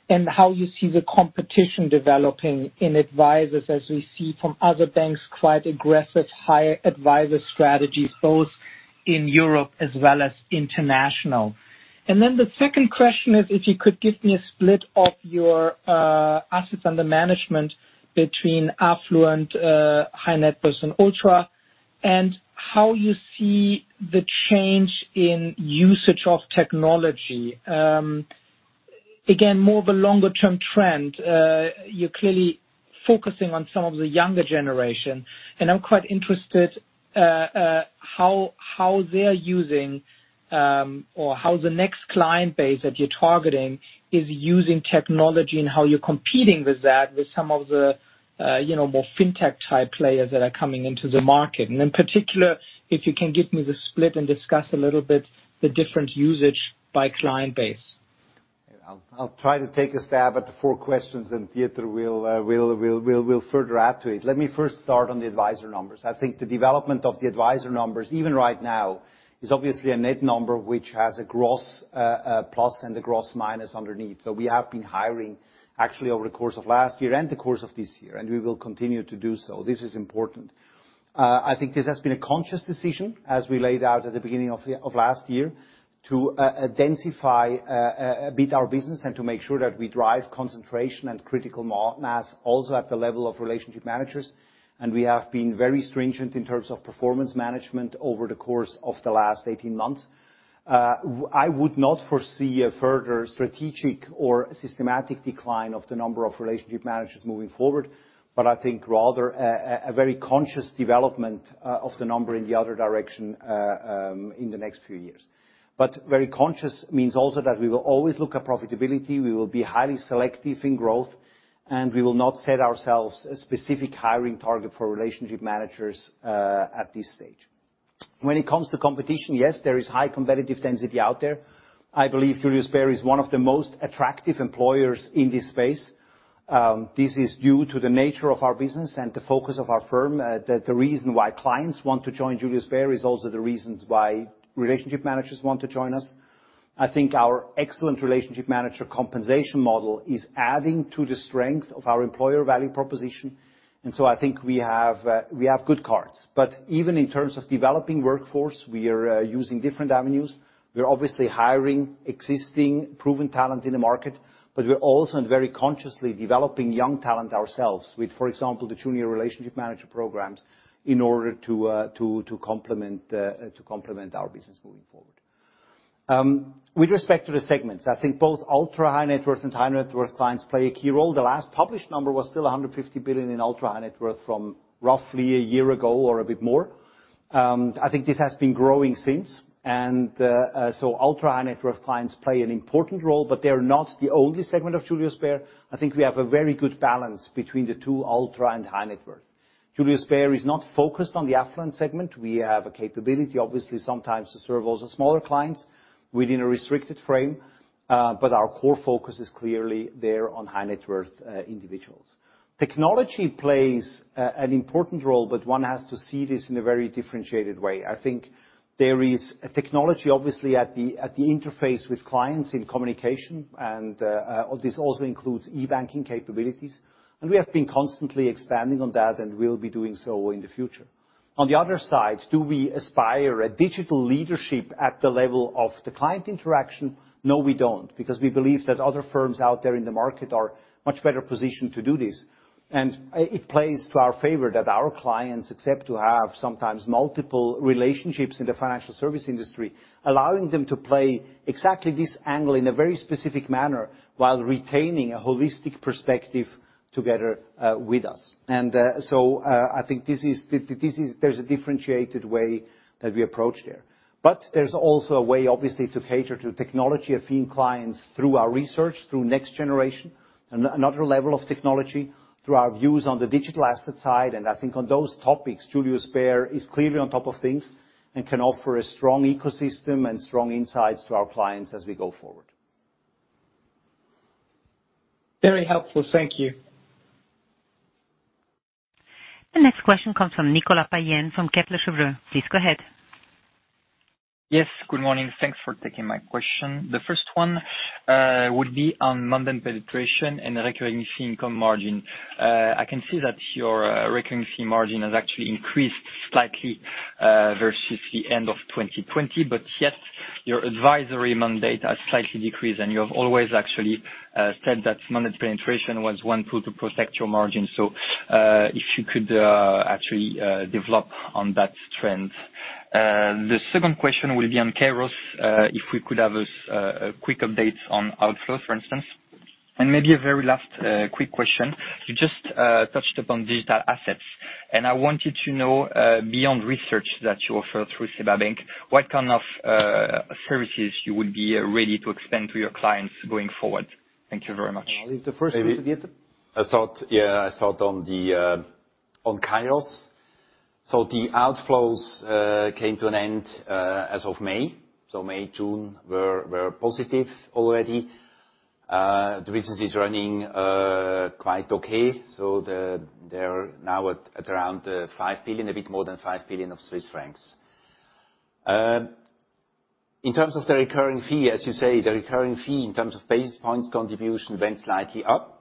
and how you see the competition developing in advisors as we see from other banks, quite aggressive hire advisor strategies, both in Europe as well as international. The second question is if you could give me a split of your assets under management between affluent, high-net-worth and ultra and how you see the change in usage of technology. More of a longer-term trend. You're clearly focusing on some of the younger generation, and I'm quite interested, how they're using, or how the next client base that you're targeting is using technology and how you're competing with that with some of the more fintech-type players that are coming into the market. In particular, if you can give me the split and discuss a little bit the different usage by client base. I'll try to take a stab at the four questions and Dieter will further add to it. Let me first start on the advisor numbers. I think the development of the advisor numbers, even right now, is obviously a net number which has a gross plus and a gross minus underneath. We have been hiring actually over the course of last year and the course of this year, and we will continue to do so. This is important. I think this has been a conscious decision as we laid out at the beginning of last year to identify a bit our business and to make sure that we drive concentration and critical mass also at the level of relationship managers. We have been very stringent in terms of performance management over the course of the last 18 months. I would not foresee a further strategic or systematic decline of the number of relationship managers moving forward, but I think rather a very conscious development of the number in the other direction in the next few years. Very conscious means also that we will always look at profitability. We will be highly selective in growth, and we will not set ourselves a specific hiring target for relationship managers at this stage. When it comes to competition, yes, there is high competitive density out there. I believe Julius Bär is one of the most attractive employers in this space. This is due to the nature of our business and the focus of our firm. The reason why clients want to join Julius Bär is also the reasons why relationship managers want to join us. I think our excellent relationship manager compensation model is adding to the strength of our employer value proposition. I think we have good cards. Even in terms of developing workforce, we are using different avenues. We're obviously hiring existing proven talent in the market, but we're also very consciously developing young talent ourselves with, for example, the junior relationship manager programs in order to complement our business moving forward. With respect to the segments, I think both ultra-high-net-worth and high-net-worth clients play a key role. The last published number was still 150 billion in ultra-high-net-worth from roughly a year ago or a bit more. I think this has been growing since. Ultra-high-net-worth clients play an important role, but they're not the only segment of Julius Bär. I think we have a very good balance between the two ultra and high-net-worth. Julius Bär is not focused on the affluent segment. We have a capability, obviously, sometimes to serve also smaller clients within a restricted frame, but our core focus is clearly there on high-net-worth individuals. Technology plays an important role, but one has to see this in a very differentiated way. I think there is a technology obviously at the interface with clients in communication, and this also includes e-banking capabilities, and we have been constantly expanding on that and will be doing so in the future. On the other side, do we aspire a digital leadership at the level of the client interaction? No, we don't. Because we believe that other firms out there in the market are much better positioned to do this. It plays to our favor that our clients accept to have sometimes multiple relationships in the financial service industry, allowing them to play exactly this angle in a very specific manner while retaining a holistic perspective together with us. I think this is, there's a differentiated way that we approach there. There's also a way, obviously, to cater to technology-affine clients through our research, through next generation, another level of technology, through our views on the digital asset side. I think on those topics, Julius Bär is clearly on top of things and can offer a strong ecosystem and strong insights to our clients as we go forward. Very helpful. Thank you. The next question comes from Nicolas Payen from Kepler Cheuvreux. Please go ahead. Yes. Good morning. Thanks for taking my question. The first one would be on mandate penetration and recurring fee income margin. I can see that your recurring fee margin has actually increased slightly versus the end of 2020, but yet your advisory mandate has slightly decreased. You have always actually said that mandate penetration was one tool to protect your margin. If you could actually develop on that trend. The second question will be on Kairos. If we could have a quick update on outflow, for instance. Maybe a very last quick question. You just touched upon digital assets, and I wanted to know, beyond research that you offer through SEBA Bank, what kind of services you would be ready to expand to your clients going forward. Thank you very much. I'll leave the first one to Dieter. First on Kairos. The outflows came to an end as of May. May, June were positive already. The business is running quite okay. They're now at around 5 billion, a bit more than 5 billion. In terms of the recurring fee, as you say, the recurring fee in terms of basis points contribution went slightly up.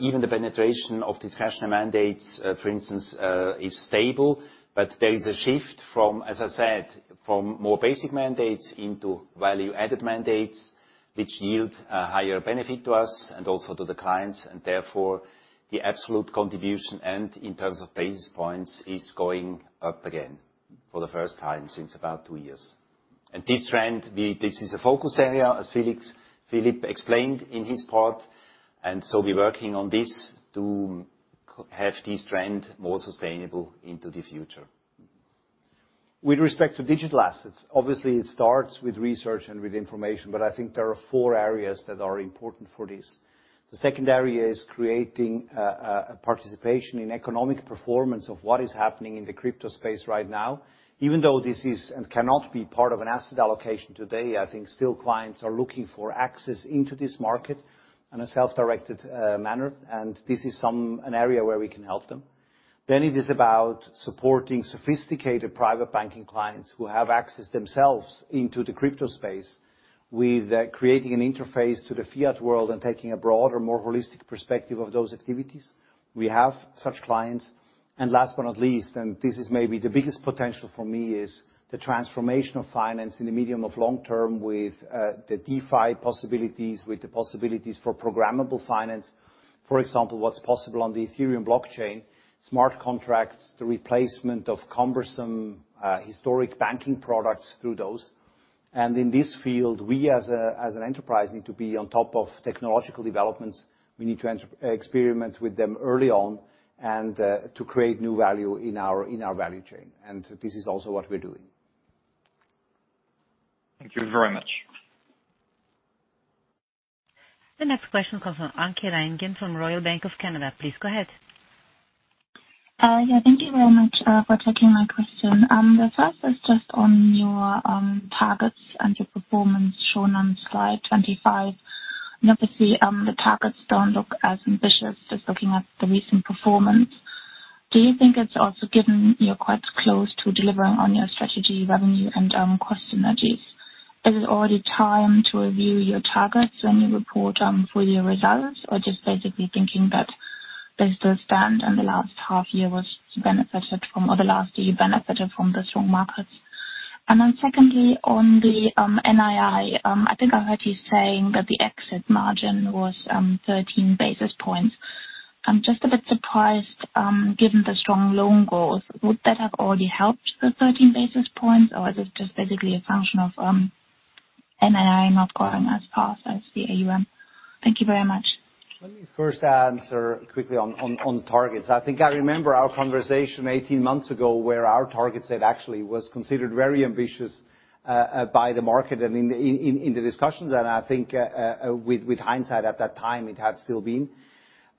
Even the penetration of discretionary mandates, for instance, is stable. There is a shift from, as I said, from more basic mandates into value-added mandates, which yield a higher benefit to us and also to the clients, and therefore the absolute contribution and in terms of basis points is going up again. For the first time since about two years. This trend, this is a focus area, as Philipp explained in his part, and so we're working on this to have this trend more sustainable into the future. With respect to digital assets, obviously, it starts with research and with information, but I think there are four areas that are important for this. The second area is creating a participation in economic performance of what is happening in the crypto space right now. Even though this is and cannot be part of an asset allocation today, I think still clients are looking for access into this market in a self-directed manner, and this is some an area where we can help them. It is about supporting sophisticated private banking clients who have access themselves into the crypto space with creating an interface to the fiat world and taking a broader, more holistic perspective of those activities. We have such clients. Last but not least, this is maybe the biggest potential for me, is the transformation of finance in the medium of long term with the DeFi possibilities, with the possibilities for programmable finance. For example, what's possible on the Ethereum blockchain, smart contracts, the replacement of cumbersome, historic banking products through those. In this field, we as an enterprise need to be on top of technological developments. We need to experiment with them early on to create new value in our value chain. This is also what we're doing. Thank you very much. The next question comes from Anke Reingen from Royal Bank of Canada. Please go ahead. Yeah, thank you very much for taking my question. The first is just on your targets and your performance shown on slide 25. Obviously, the targets don't look as ambitious, just looking at the recent performance. Do you think it's also given you're quite close to delivering on your strategy, revenue, and cost synergies? Is it already time to review your targets when you report for your results, or just basically thinking that they still stand and the last half year was benefited from or the last year benefited from the strong markets? Secondly, on the NII, I think I heard you saying that the exit margin was 13 basis points. I'm just a bit surprised, given the strong loan growth. Would that have already helped the 13 basis points, or is it just basically a function of NII not growing as fast as the AUM? Thank you very much. Let me first answer quickly on targets. I think I remember our conversation 18 months ago, where our target set actually was considered very ambitious by the market and in the discussions. I think, with hindsight at that time, it had still been.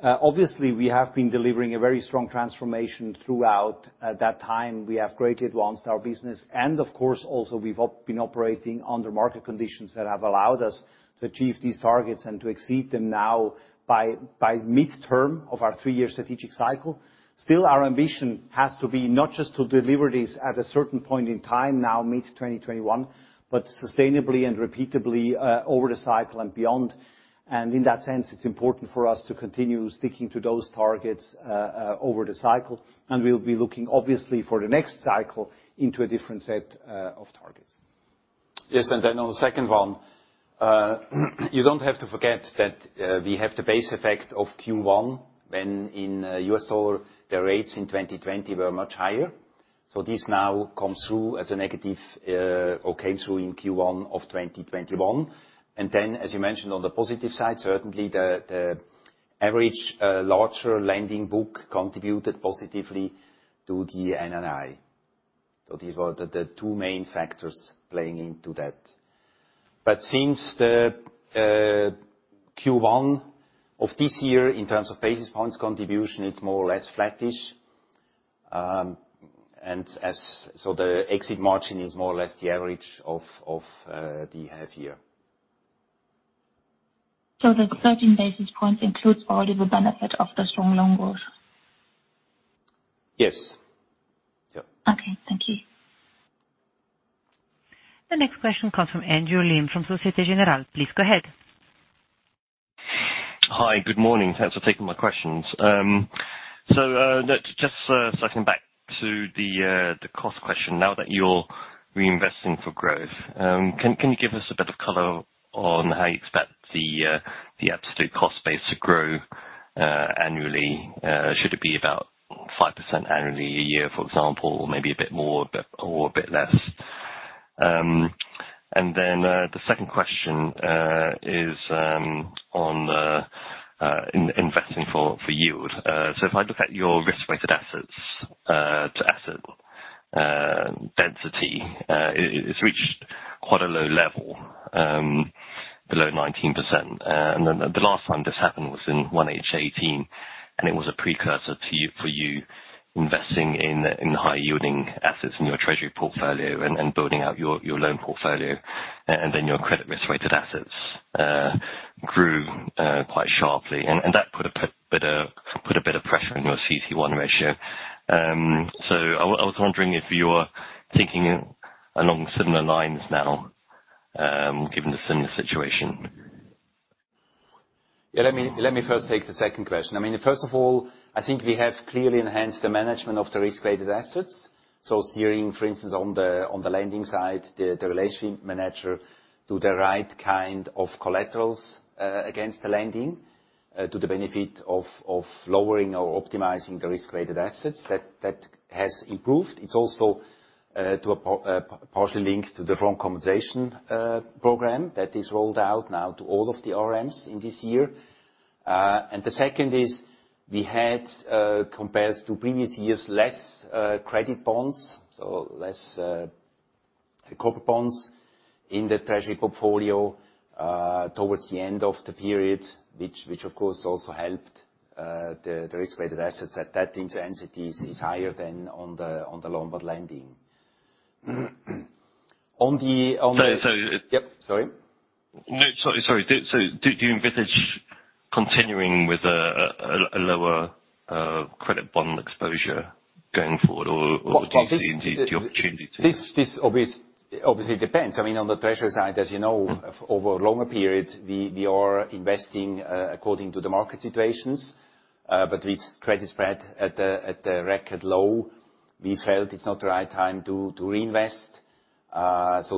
Obviously, we have been delivering a very strong transformation throughout that time. We have greatly advanced our business. Of course, also we've been operating under market conditions that have allowed us to achieve these targets and to exceed them now by midterm of our three-year strategic cycle. Still, our ambition has to be not just to deliver this at a certain point in time, now mid-2021, but sustainably and repeatably over the cycle and beyond. In that sense, it's important for us to continue sticking to those targets over the cycle. We'll be looking obviously for the next cycle into a different set of targets. Yes, on the second one, you don't have to forget that we have the base effect of Q1, when in U.S. dollar, the rates in 2020 were much higher. This now comes through as a negative, or came through in Q1 of 2021. As you mentioned on the positive side, certainly the average larger lending book contributed positively to the NII. These were the two main factors playing into that. Since the Q1 of this year, in terms of basis points contribution, it's more or less flattish. The exit margin is more or less the average of the half year. The 13 basis points includes already the benefit of the strong loan growth? Yes. Yeah. Okay, thank you. The next question comes from Andrew Lim from Société Générale. Please go ahead. Hi, good morning. Thanks for taking my questions. Let's just circling back to the cost question. Now that you're reinvesting for growth, can you give us a bit of color on how you expect the absolute cost base to grow annually? Should it be about 5% annually a year, for example, or maybe a bit more or a bit less? The second question is on investing for yield. If I look at your risk-weighted assets to asset density, it's reached quite a low level, below 19%. The last time this happened was in 2018, and it was a precursor for you investing in high-yielding assets in your treasury portfolio and building out your loan portfolio. Then your credit risk-weighted assets grew quite sharply. That put a bit of pressure on your CET1 ratio. I was wondering if you're thinking along similar lines now, given the similar situation. Yeah, let me first take the second question. I mean, first of all, I think we have clearly enhanced the management of the risk-weighted assets. Steering, for instance, on the lending side, the relationship manager do the right kind of collaterals against the lending to the benefit of lowering or optimizing the risk-weighted assets. That has improved. It's also partially linked to the front compensation program that is rolled out now to all of the RMs in this year. The second is we had compared to previous years, less credit bonds, so less corporate bonds in the treasury portfolio towards the end of the period, which of course also helped the risk-weighted assets as asset density is higher than on the loan book lending. So, so, uh- Yep. Sorry. No. Sorry, sorry. Do you envisage continuing with a lower credit bond exposure going forward or do you see the opportunity to? This obviously depends. I mean, on the treasury side, as you know, over a longer period, we are investing according to the market situations. With credit spread at a record low, we felt it's not the right time to reinvest.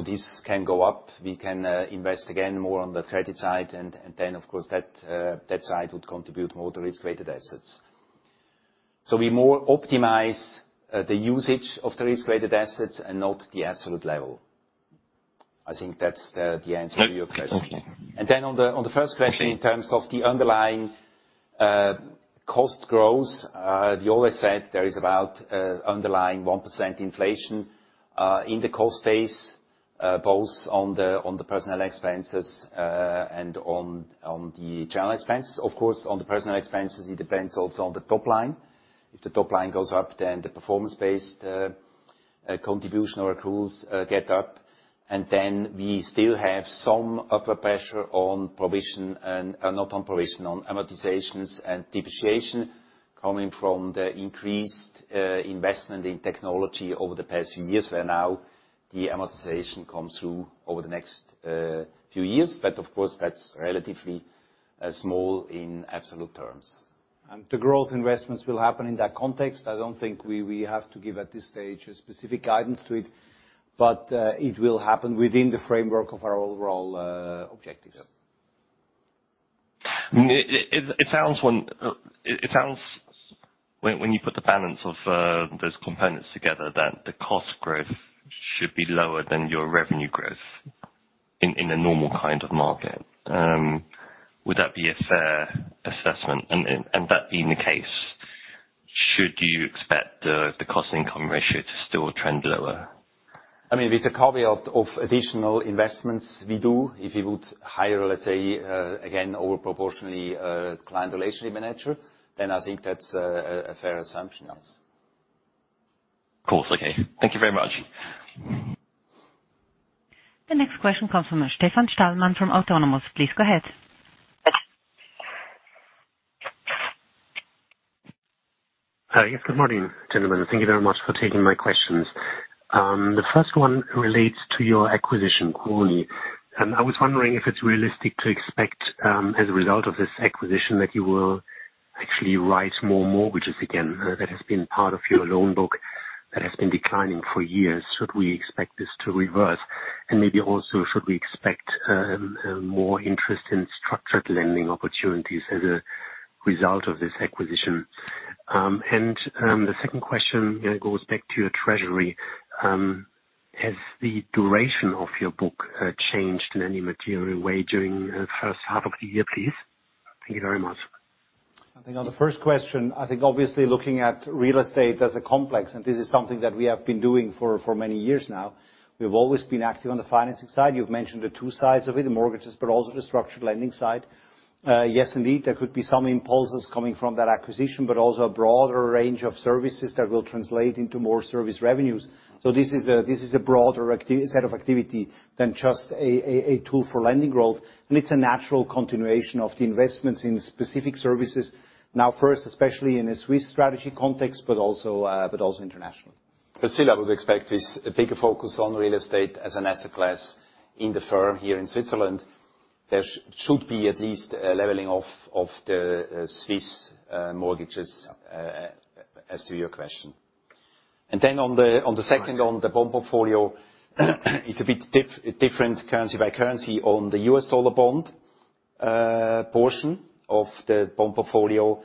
This can go up. We can invest again more on the credit side and of course that side would contribute more to risk-weighted assets. We more optimize the usage of the risk-weighted assets and not the absolute level. I think that's the answer to your question. No. Okay. On the first question in terms of the underlying cost growth, we always said there is about underlying 1% inflation in the cost base, both on the personnel expenses and on the general expenses. Of course, on the personnel expenses, it depends also on the top line. If the top line goes up, then the performance-based contribution or accruals get up, and then we still have some upper pressure on amortizations and depreciation coming from the increased investment in technology over the past few years, where now the amortization comes through over the next few years. Of course, that's relatively small in absolute terms. The growth investments will happen in that context. I don't think we have to give, at this stage, a specific guidance to it, but it will happen within the framework of our overall objectives. Yeah. I mean, it sounds when it sounds when you put the balance of those components together, that the cost growth should be lower than your revenue growth in a normal kind of market. Would that be a fair assessment? That being the case, should you expect the cost-income ratio to still trend lower? I mean, with the caveat of additional investments we do, if you would hire, let's say, again, over proportionally a client relationship manager, then I think that's a fair assumption, yes. Of course. Okay. Thank you very much. The next question comes from Stefan Stalmann from Autonomous. Please go ahead. Yes. Good morning, gentlemen. Thank you very much for taking my questions. The first one relates to your acquisition, Kuoni. I was wondering if it's realistic to expect as a result of this acquisition that you will actually write more mortgages again. That has been part of your loan book that has been declining for years. Should we expect this to reverse? Maybe also, should we expect more interest in structured lending opportunities as a result of this acquisition? The second question, you know, goes back to your treasury. Has the duration of your book changed in any material way during the first half of the year, please? Thank you very much. I think on the first question, I think obviously looking at real estate as a complex, this is something that we have been doing for many years now. We've always been active on the financing side. You've mentioned the two sides of it, the mortgages, but also the structured lending side. Yes, indeed, there could be some impulses coming from that acquisition, also a broader range of services that will translate into more service revenues. This is a broader set of activity than just a tool for lending growth, it's a natural continuation of the investments in specific services. Now, first, especially in a Swiss strategy context, but also internationally. Still I would expect this bigger focus on real estate as an asset class in the firm here in Switzerland. There should be at least a leveling off of the Swiss mortgages as to your question. On the, on the second, on the bond portfolio, it's a bit different currency by currency. On the U.S. dollar bond portion of the bond portfolio,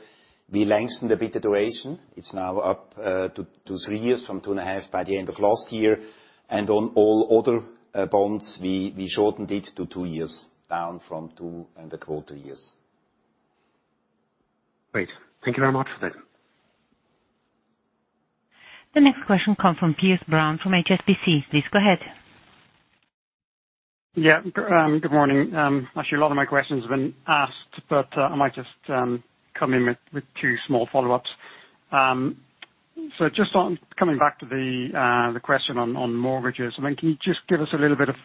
we lengthened a bit the duration. It's now up to three years from two and a half by the end of last year. On all other bonds, we shortened it to two years, down from two and a quarter years. Great. Thank you very much for that. The next question comes from Piers Brown from HSBC. Please go ahead. Yeah. Good, good morning. Actually, a lot of my questions have been asked, but I might just come in with two small follow-ups. Just on coming back to the question on mortgages, I mean, can you just give us a little bit of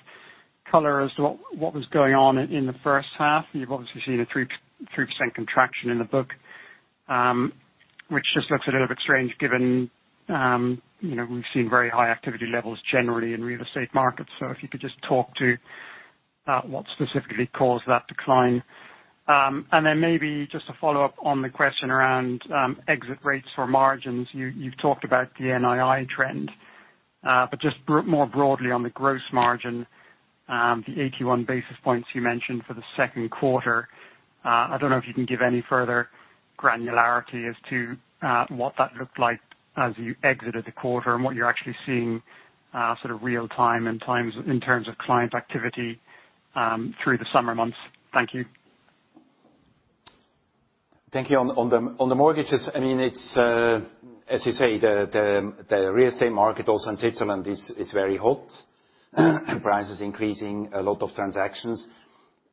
color as to what was going on in the first half? You've obviously seen a 3% contraction in the book, which just looks a little bit strange given, you know, we've seen very high activity levels generally in real estate markets. If you could just talk to what specifically caused that decline. Maybe just to follow up on the question around exit rates for margins. You, you've talked about the NII trend, but just more broadly on the gross margin. The 81 basis points you mentioned for the second quarter, I don't know if you can give any further granularity as to what that looked like as you exited the quarter and what you're actually seeing, sort of real time and times in terms of client activity through the summer months? Thank you. Thank you. On the mortgages, I mean, it's, as you say, the real estate market also in Switzerland is very hot. Price is increasing, a lot of transactions.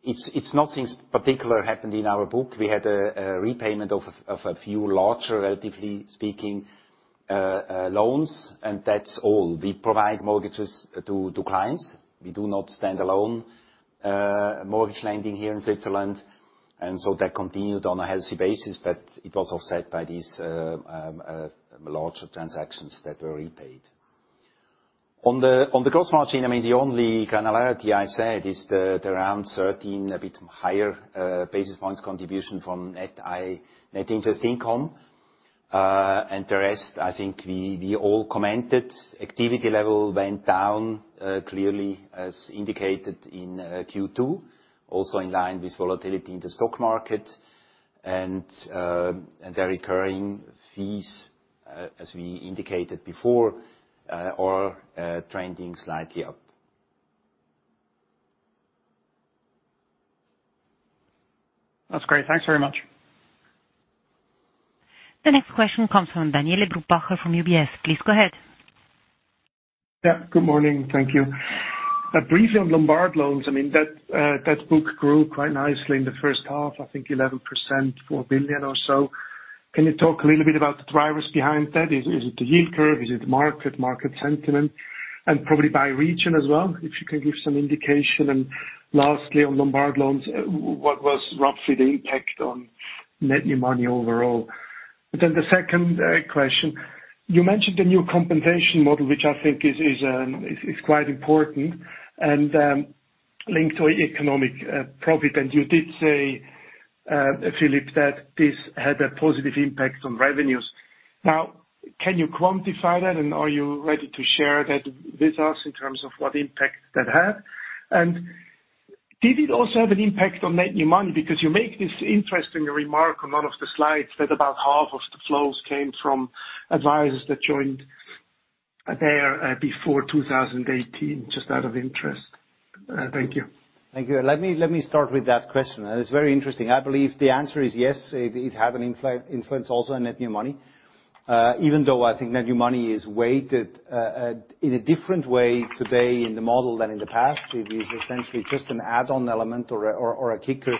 It's nothing particular happened in our book. We had a repayment of a few larger, relatively speaking, loans, and that's all. We provide mortgages to clients. We do not stand alone mortgage lending here in Switzerland, and so that continued on a healthy basis, but it was offset by these larger transactions that were repaid. On the gross margin, I mean, the only granularity I said is the around 13, a bit higher, basis points contribution from net interest income. The rest, I think we all commented. Activity level went down, clearly as indicated in Q2, also in line with volatility in the stock market. The recurring fees, as we indicated before, are trending slightly up. That's great. Thanks very much. The next question comes from Daniele Brupbacher from UBS. Please go ahead. Good morning. Thank you. Briefly on Lombard loans, I mean that book grew quite nicely in the first half, I think 11%, 4 billion or so. Can you talk a little bit about the drivers behind that? Is it the yield curve? Is it the market sentiment? Probably by region as well, if you can give some indication. Lastly, on Lombard loans, what was roughly the impact on net new money overall? The second question. You mentioned the new compensation model, which I think is quite important and linked to economic profit. You did say, Philipp Rickenbacher, that this had a positive impact on revenues. Can you quantify that and are you ready to share that with us in terms of what impact that had? Did it also have an impact on net new money? You make this interesting remark on one of the slides that about half of the flows came from advisors that joined there before 2018, just out of interest. Thank you. Thank you. Let me start with that question. It's very interesting. I believe the answer is yes, it had an influence also on net new money. Even though I think net new money is weighted in a different way today in the model than in the past. It is essentially just an add-on element or a kicker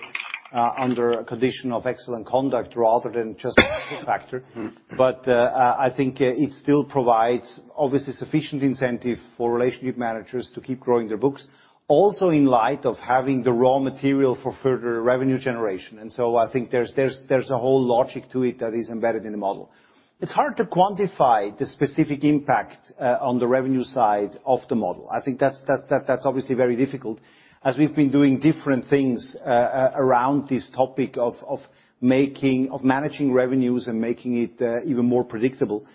under a condition of excellent conduct rather than just a factor. I think it still provides obviously sufficient incentive for relationship managers to keep growing their books, also in light of having the raw material for further revenue generation. I think there's a whole logic to it that is embedded in the model. It's hard to quantify the specific impact on the revenue side of the model. I think that's obviously very difficult, as we've been doing different things around this topic of managing revenues and making it even more predictable.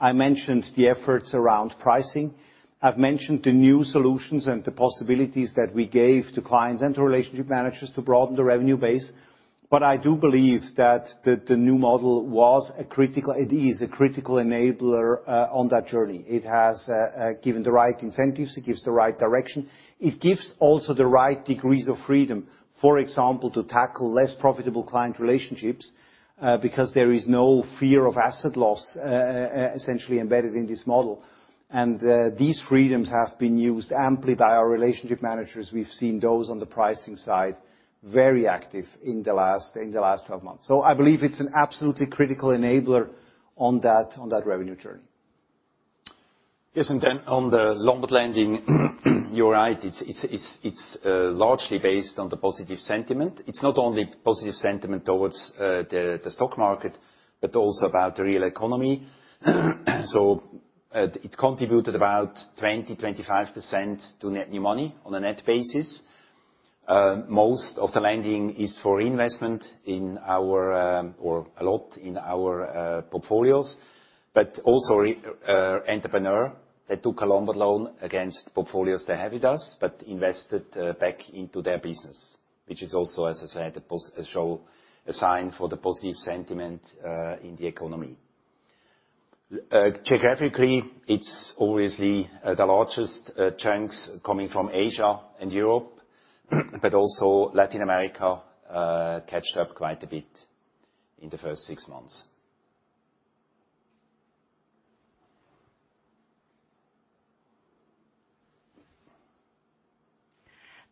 I mentioned the efforts around pricing. I've mentioned the new solutions and the possibilities that we gave to clients and to relationship managers to broaden the revenue base. But I do believe that the new model was a critical it is a critical enabler on that journey. It has given the right incentives, it gives the right direction. It gives also the right degrees of freedom, for example, to tackle less profitable client relationships, because there is no fear of asset loss essentially embedded in this model. These freedoms have been used amply by our relationship managers. We've seen those on the pricing side very active in the last 12 months. I believe it's an absolutely critical enabler on that, on that revenue journey. On the Lombard lending, you're right. It's largely based on the positive sentiment. It's not only positive sentiment towards the stock market, but also about the real economy. It contributed about 20%-25% to net new money on a net basis. Most of the lending is for investment in our, or a lot in our portfolios. Also entrepreneur that took a Lombard loan against portfolios they have with us, but invested back into their business, which is also, as I said, a show, a sign for the positive sentiment in the economy. Geographically, it's obviously the largest chunks coming from Asia and Europe, but also Latin America catched up quite a bit in the first six months.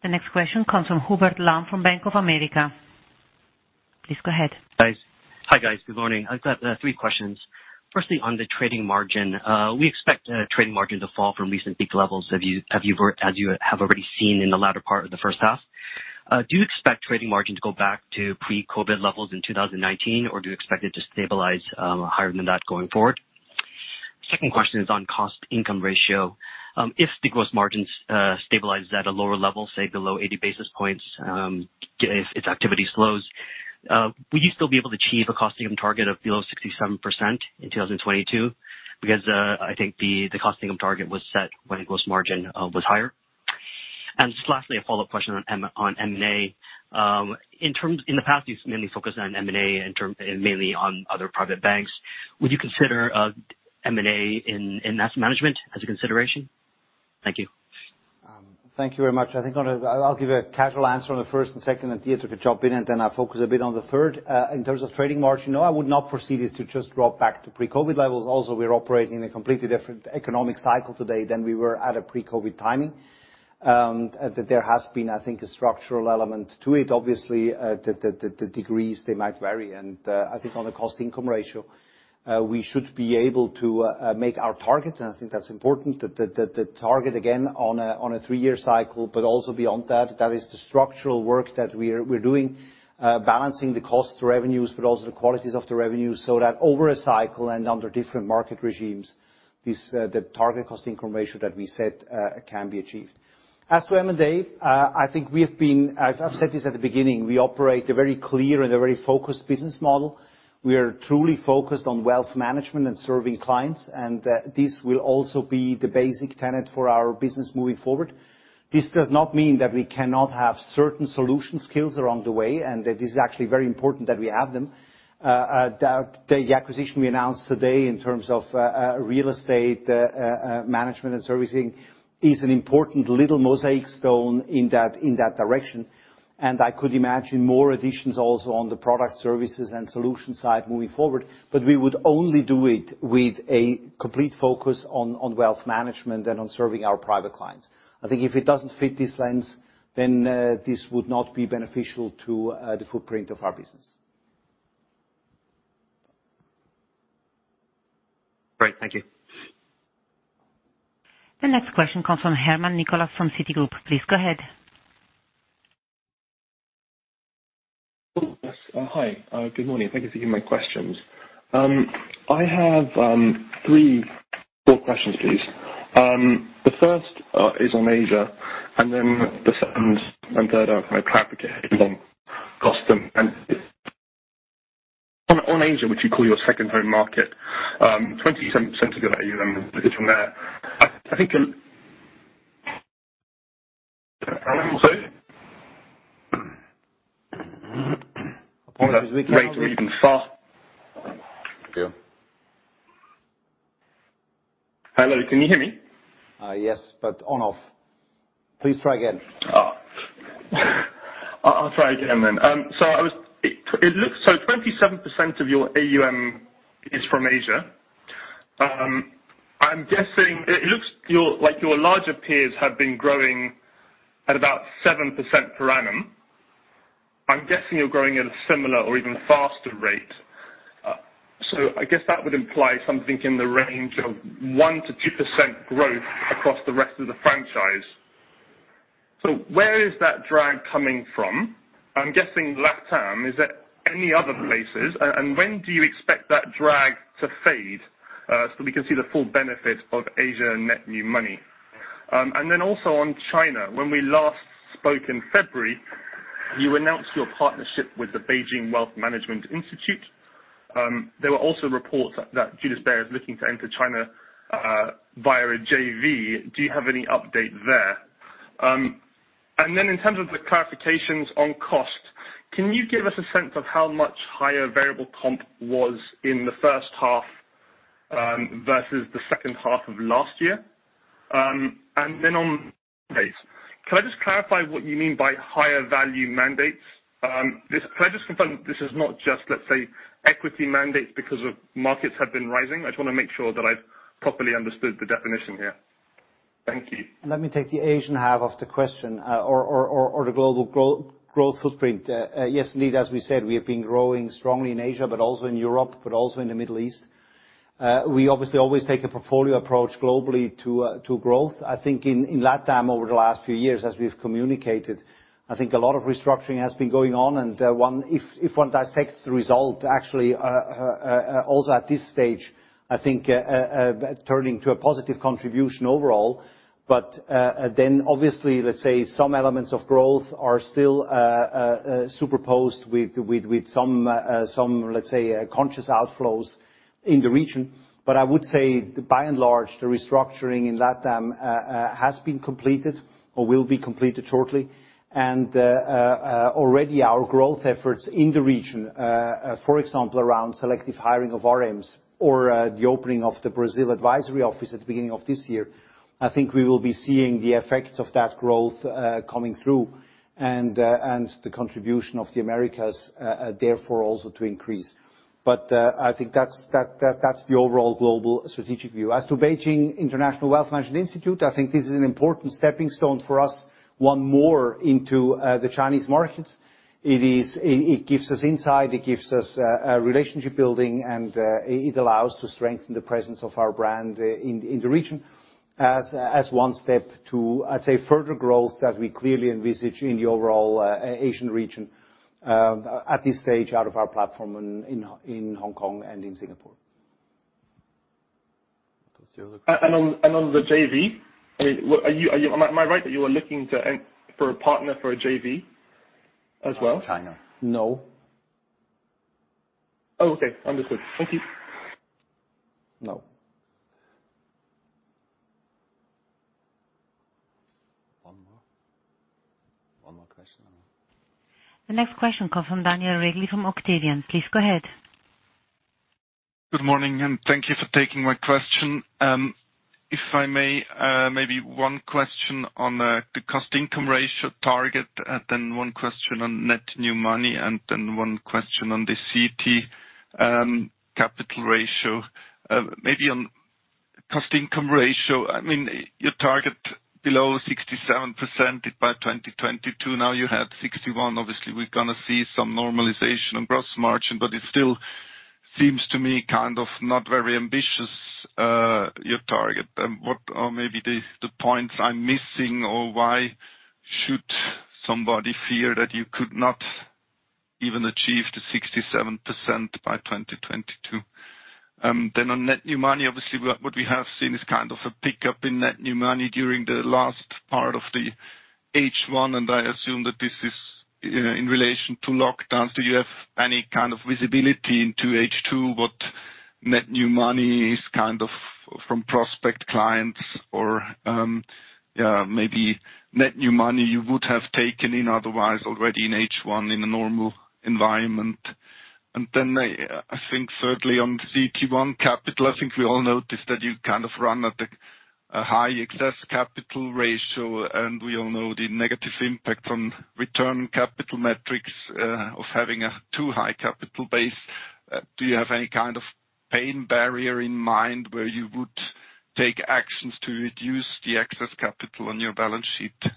The next question comes from Hubert Lam from Bank of America. Please go ahead. Hi. Hi, guys. Good morning. I've got three questions. Firstly, on the trading margin. We expect trading margin to fall from recent peak levels. As you have already seen in the latter part of the first half. Do you expect trading margin to go back to pre-COVID levels in 2019 or do you expect it to stabilize higher than that going forward? Second question is on cost income ratio. If the gross margins stabilize at a lower level, say below 80 basis points, if its activity slows. Will you still be able to achieve a cost income target of below 67% in 2022? I think the cost income target was set when gross margin was higher. Just lastly, a follow-up question on M&A. In the past, you've mainly focused on M&A mainly on other private banks. Would you consider M&A in asset management as a consideration? Thank you. Thank you very much. I think I'll give a casual answer on the first and second, and Dieter can jump in, and then I'll focus a bit on the third. In terms of trading margin, no, I would not foresee this to just drop back to pre-COVID levels. We are operating in a completely different economic cycle today than we were at a pre-COVID timing. There has been, I think, a structural element to it. Obviously, the degrees, they might vary. I think on a cost income ratio, we should be able to make our target. I think that's important that the target again on a three-year cycle but also beyond that is the structural work that we're doing, balancing the cost revenues but also the qualities of the revenue, so that over a cycle and under different market regimes, this, the target cost income ratio that we set, can be achieved. As to M&A, I think we have been I've said this at the beginning, we operate a very clear and a very focused business model. We are truly focused on wealth management and serving clients, and this will also be the basic tenet for our business moving forward. This does not mean that we cannot have certain solution skills along the way, and it is actually very important that we have them. The acquisition we announced today in terms of real estate management and servicing is an important little mosaic stone in that direction. I could imagine more additions also on the product services and solution side moving forward, but we would only do it with a complete focus on wealth management and on serving our private clients. I think if it doesn't fit this lens, then this would not be beneficial to the footprint of our business. Great. Thank you. The next question comes from Nicholas Herman from Citigroup. Please go ahead. Oh, yes. Hi. Good morning. Thank you for taking my questions. I have three short questions, please. The first is on Asia, and then the second and third are kind of clarification on cost and. On Asia, which you call your second home market, 20 some % of your AUM is from there. I think an Apologies. Rate or even fast. Yeah. Hello, can you hear me? Yes, but on/off. Please try again. Oh. I'll try again then. It looks 27% of your AUM is from Asia. I'm guessing it looks like your larger peers have been growing at about 7% per annum. I'm guessing you're growing at a similar or even faster rate. I guess that would imply something in the range of 1%-2% growth across the rest of the franchise. Where is that drag coming from? I'm guessing LatAm. Is there any other places? And when do you expect that drag to fade, so we can see the full benefit of Asia net new money? Also on China, when we last spoke in February, you announced your partnership with the Beijing Wealth Management Institute. There were also reports that Julius Bär is looking to enter China via a JV. Do you have any update there? In terms of the clarifications on cost, can you give us a sense of how much higher variable comp was in the first half versus the second half of last year? On pace, can I just clarify what you mean by higher value mandates? Can I just confirm this is not just, let's say, equity mandates because of markets have been rising? I just wanna make sure that I've properly understood the definition here. Thank you. Let me take the Asian half of the question, or the global growth footprint. Yes, indeed, as we said, we have been growing strongly in Asia but also in Europe, but also in the Middle East. We obviously always take a portfolio approach globally to growth. I think in LatAm over the last few years, as we've communicated, I think a lot of restructuring has been going on. If one dissects the result, actually, also at this stage, I think turning to a positive contribution overall. Then obviously, let's say some elements of growth are still superposed with some, let's say, conscious outflows in the region. I would say by and large, the restructuring in LatAm has been completed or will be completed shortly. Already our growth efforts in the region, for example, around selective hiring of RMs or the opening of the Brazil advisory office at the beginning of this year, I think we will be seeing the effects of that growth coming through and the contribution of the Americas therefore also to increase. I think that's the overall global strategic view. As to Beijing International Wealth Management Institute, I think this is an important stepping stone for us, one more into the Chinese markets. It gives us insight, it gives us relationship building, and it allows to strengthen the presence of our brand in the region as one step to, let's say, further growth that we clearly envisage in the overall Asian region, at this stage out of our platform and in Hong Kong and in Singapore. On the JV, I mean, are you am I right that you are looking for a partner for a JV as well? No. Oh, okay. Understood. Thank you. No. One more? One more question or no? The next question comes from Daniel Regli from Octavian. Please go ahead. Good morning, thank you for taking my question. If I may, maybe one question on the cost-income ratio target, then one question on net new money, then one question on the CET capital ratio. Maybe on cost-income ratio, I mean, your target below 67% by 2022, now you have 61. Obviously we're going to see some normalization on gross margin, it still seems to me kind of not very ambitious, your target. What are maybe the points I'm missing? Why should somebody fear that you could not even achieve the 67% by 2022? On net new money, obviously what we have seen is kind of a pickup in net new money during the last part of the H1, I assume that this is in relation to lockdowns. Do you have any kind of visibility into H2 what net new money is kind of from prospect clients or, maybe net new money you would have taken in otherwise already in H1 in a normal environment? I think thirdly, on the CET1 capital, I think we all noticed that you kind of run at a high excess capital ratio, and we all know the negative impact on return capital metrics, of having a too high capital base. Do you have any kind of pain barrier in mind where you would take actions to reduce the excess capital on your balance sheet?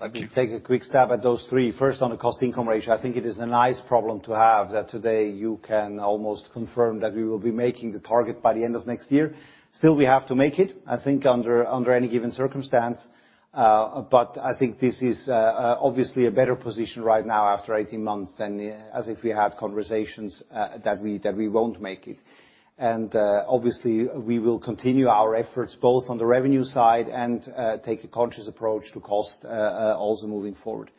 Thank you. Let me take a quick stab at those three. First, on the cost-income ratio, I think it is a nice problem to have that today you can almost confirm that we will be making the target by the end of next year. Still, we have to make it, I think under any given circumstance. I think this is obviously a better position right now after 18 months than as if we had conversations that we won't make it. Obviously we will continue our efforts both on the revenue side and take a conscious approach to cost also moving forward.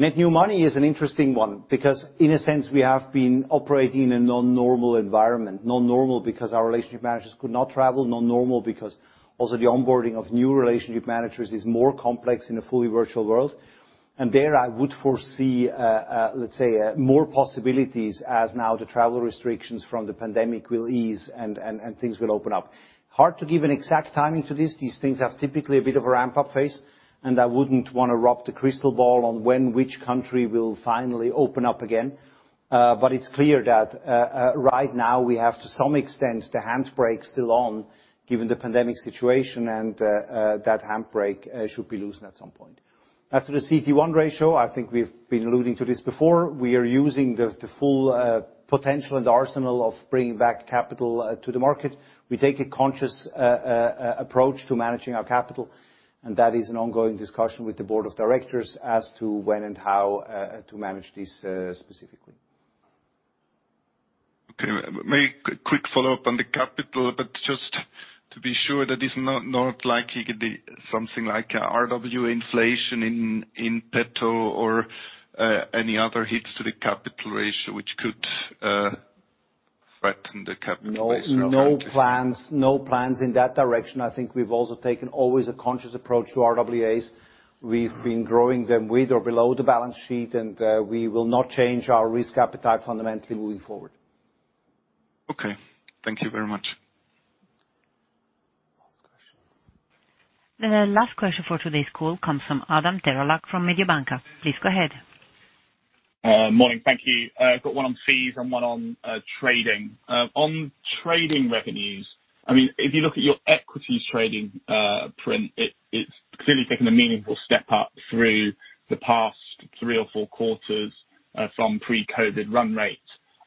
Net new money is an interesting one because in a sense we have been operating in a non-normal environment. Non-normal because our relationship managers could not travel. Non-normal because also the onboarding of new relationship managers is more complex in a fully virtual world. There I would foresee, let's say more possibilities as now the travel restrictions from the pandemic will ease and things will open up. Hard to give an exact timing to this. These things have typically a bit of a ramp-up phase, and I wouldn't wanna rob the crystal ball on when which country will finally open up again. But it's clear that right now we have to some extent the handbrake still on given the pandemic situation and that handbrake should be loosened at some point. As to the CET1 ratio, I think we've been alluding to this before. We are using the full potential and arsenal of bringing back capital to the market. We take a conscious approach to managing our capital. That is an ongoing discussion with the board of directors as to when and how to manage this specifically. Okay, quick follow-up on the capital, but just to be sure that it's not like it could be something like a RWA inflation in Basel or any other hits to the capital ratio which could threaten the capital base rather. No, no plans. No plans in that direction. I think we've also taken always a conscious approach to RWAs. We've been growing them with or below the balance sheet, and we will not change our risk appetite fundamentally moving forward. Okay. Thank you very much. Last question. The last question for today's call comes from Adam Terelak from Mediobanca. Please go ahead. Morning. Thank you. I've got one on fees and one on trading. On trading revenues, I mean, if you look at your equities trading print, it's clearly taken a meaningful step up through the past three or four quarters from pre-COVID run rates.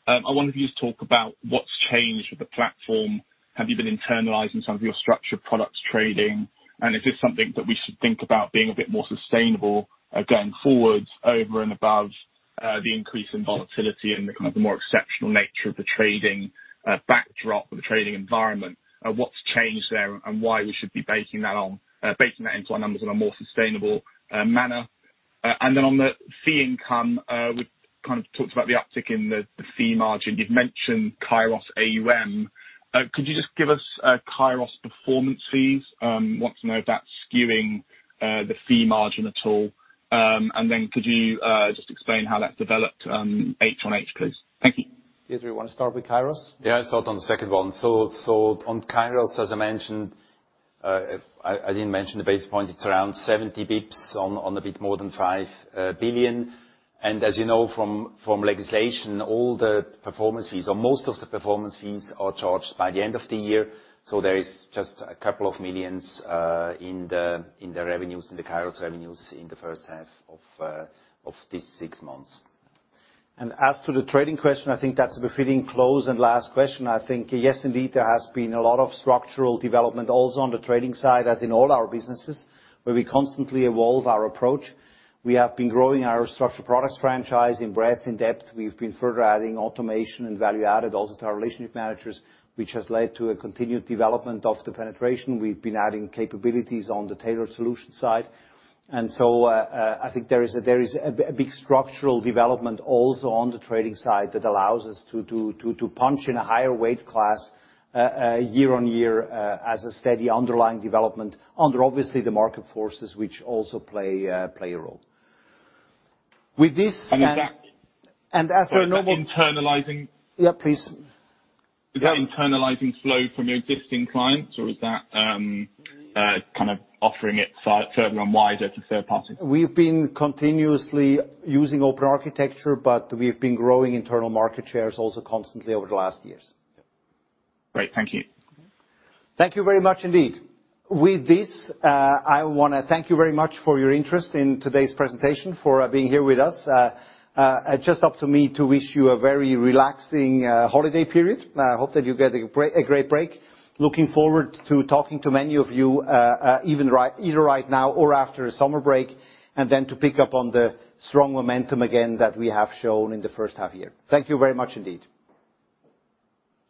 I wonder if you could talk about what's changed with the platform. Have you been internalizing some of your structured products trading? Is this something that we should think about being a bit more sustainable going forwards over and above the increase in volatility and the kind of the more exceptional nature of the trading backdrop or the trading environment? What's changed there and why we should be basing that on basing that into our numbers in a more sustainable manner? Then on the fee income, we've kind of talked about the uptick in the fee margin. You've mentioned Kairos AUM. Could you just give us Kairos performance fees? I want to know if that's skewing the fee margin at all. Then could you just explain how that developed H on H, please? Thank you. Dieter, you wanna start with Kairos? I'll start on the second one. On Kairos, as I mentioned, I didn't mention the basis point. It's around 70 basis points on a bit more than 5 billion. As you know from legislation, all the performance fees or most of the performance fees are charged by the end of the year. There is just a couple of millions in the revenues, in the Kairos revenues in the first half of this six months. As to the trading question, I think that's befitting close and last question. I think yes, indeed, there has been a lot of structural development also on the trading side, as in all our businesses, where we constantly evolve our approach. We have been growing our structured products franchise in breadth and depth. We've been further adding automation and value added also to our relationship managers, which has led to a continued development of the penetration. We've been adding capabilities on the tailored solution side. So, I think there is a, there is a big structural development also on the trading side that allows us to punch in a higher weight class year on year, as a steady underlying development under obviously the market forces which also play a role. Is that? And as for normal- So is internalizing- Yeah, please. Is that internalizing flow from your existing clients or is that, kind of offering it further and wider to third parties? We've been continuously using open architecture, but we've been growing internal market shares also constantly over the last years. Great. Thank you. Thank you very much indeed. With this, I wanna thank you very much for your interest in today's presentation, for being here with us. It's just up to me to wish you a very relaxing holiday period. I hope that you get a great break. Looking forward to talking to many of you, either right now or after the summer break, and then to pick up on the strong momentum again that we have shown in the first half year. Thank you very much indeed.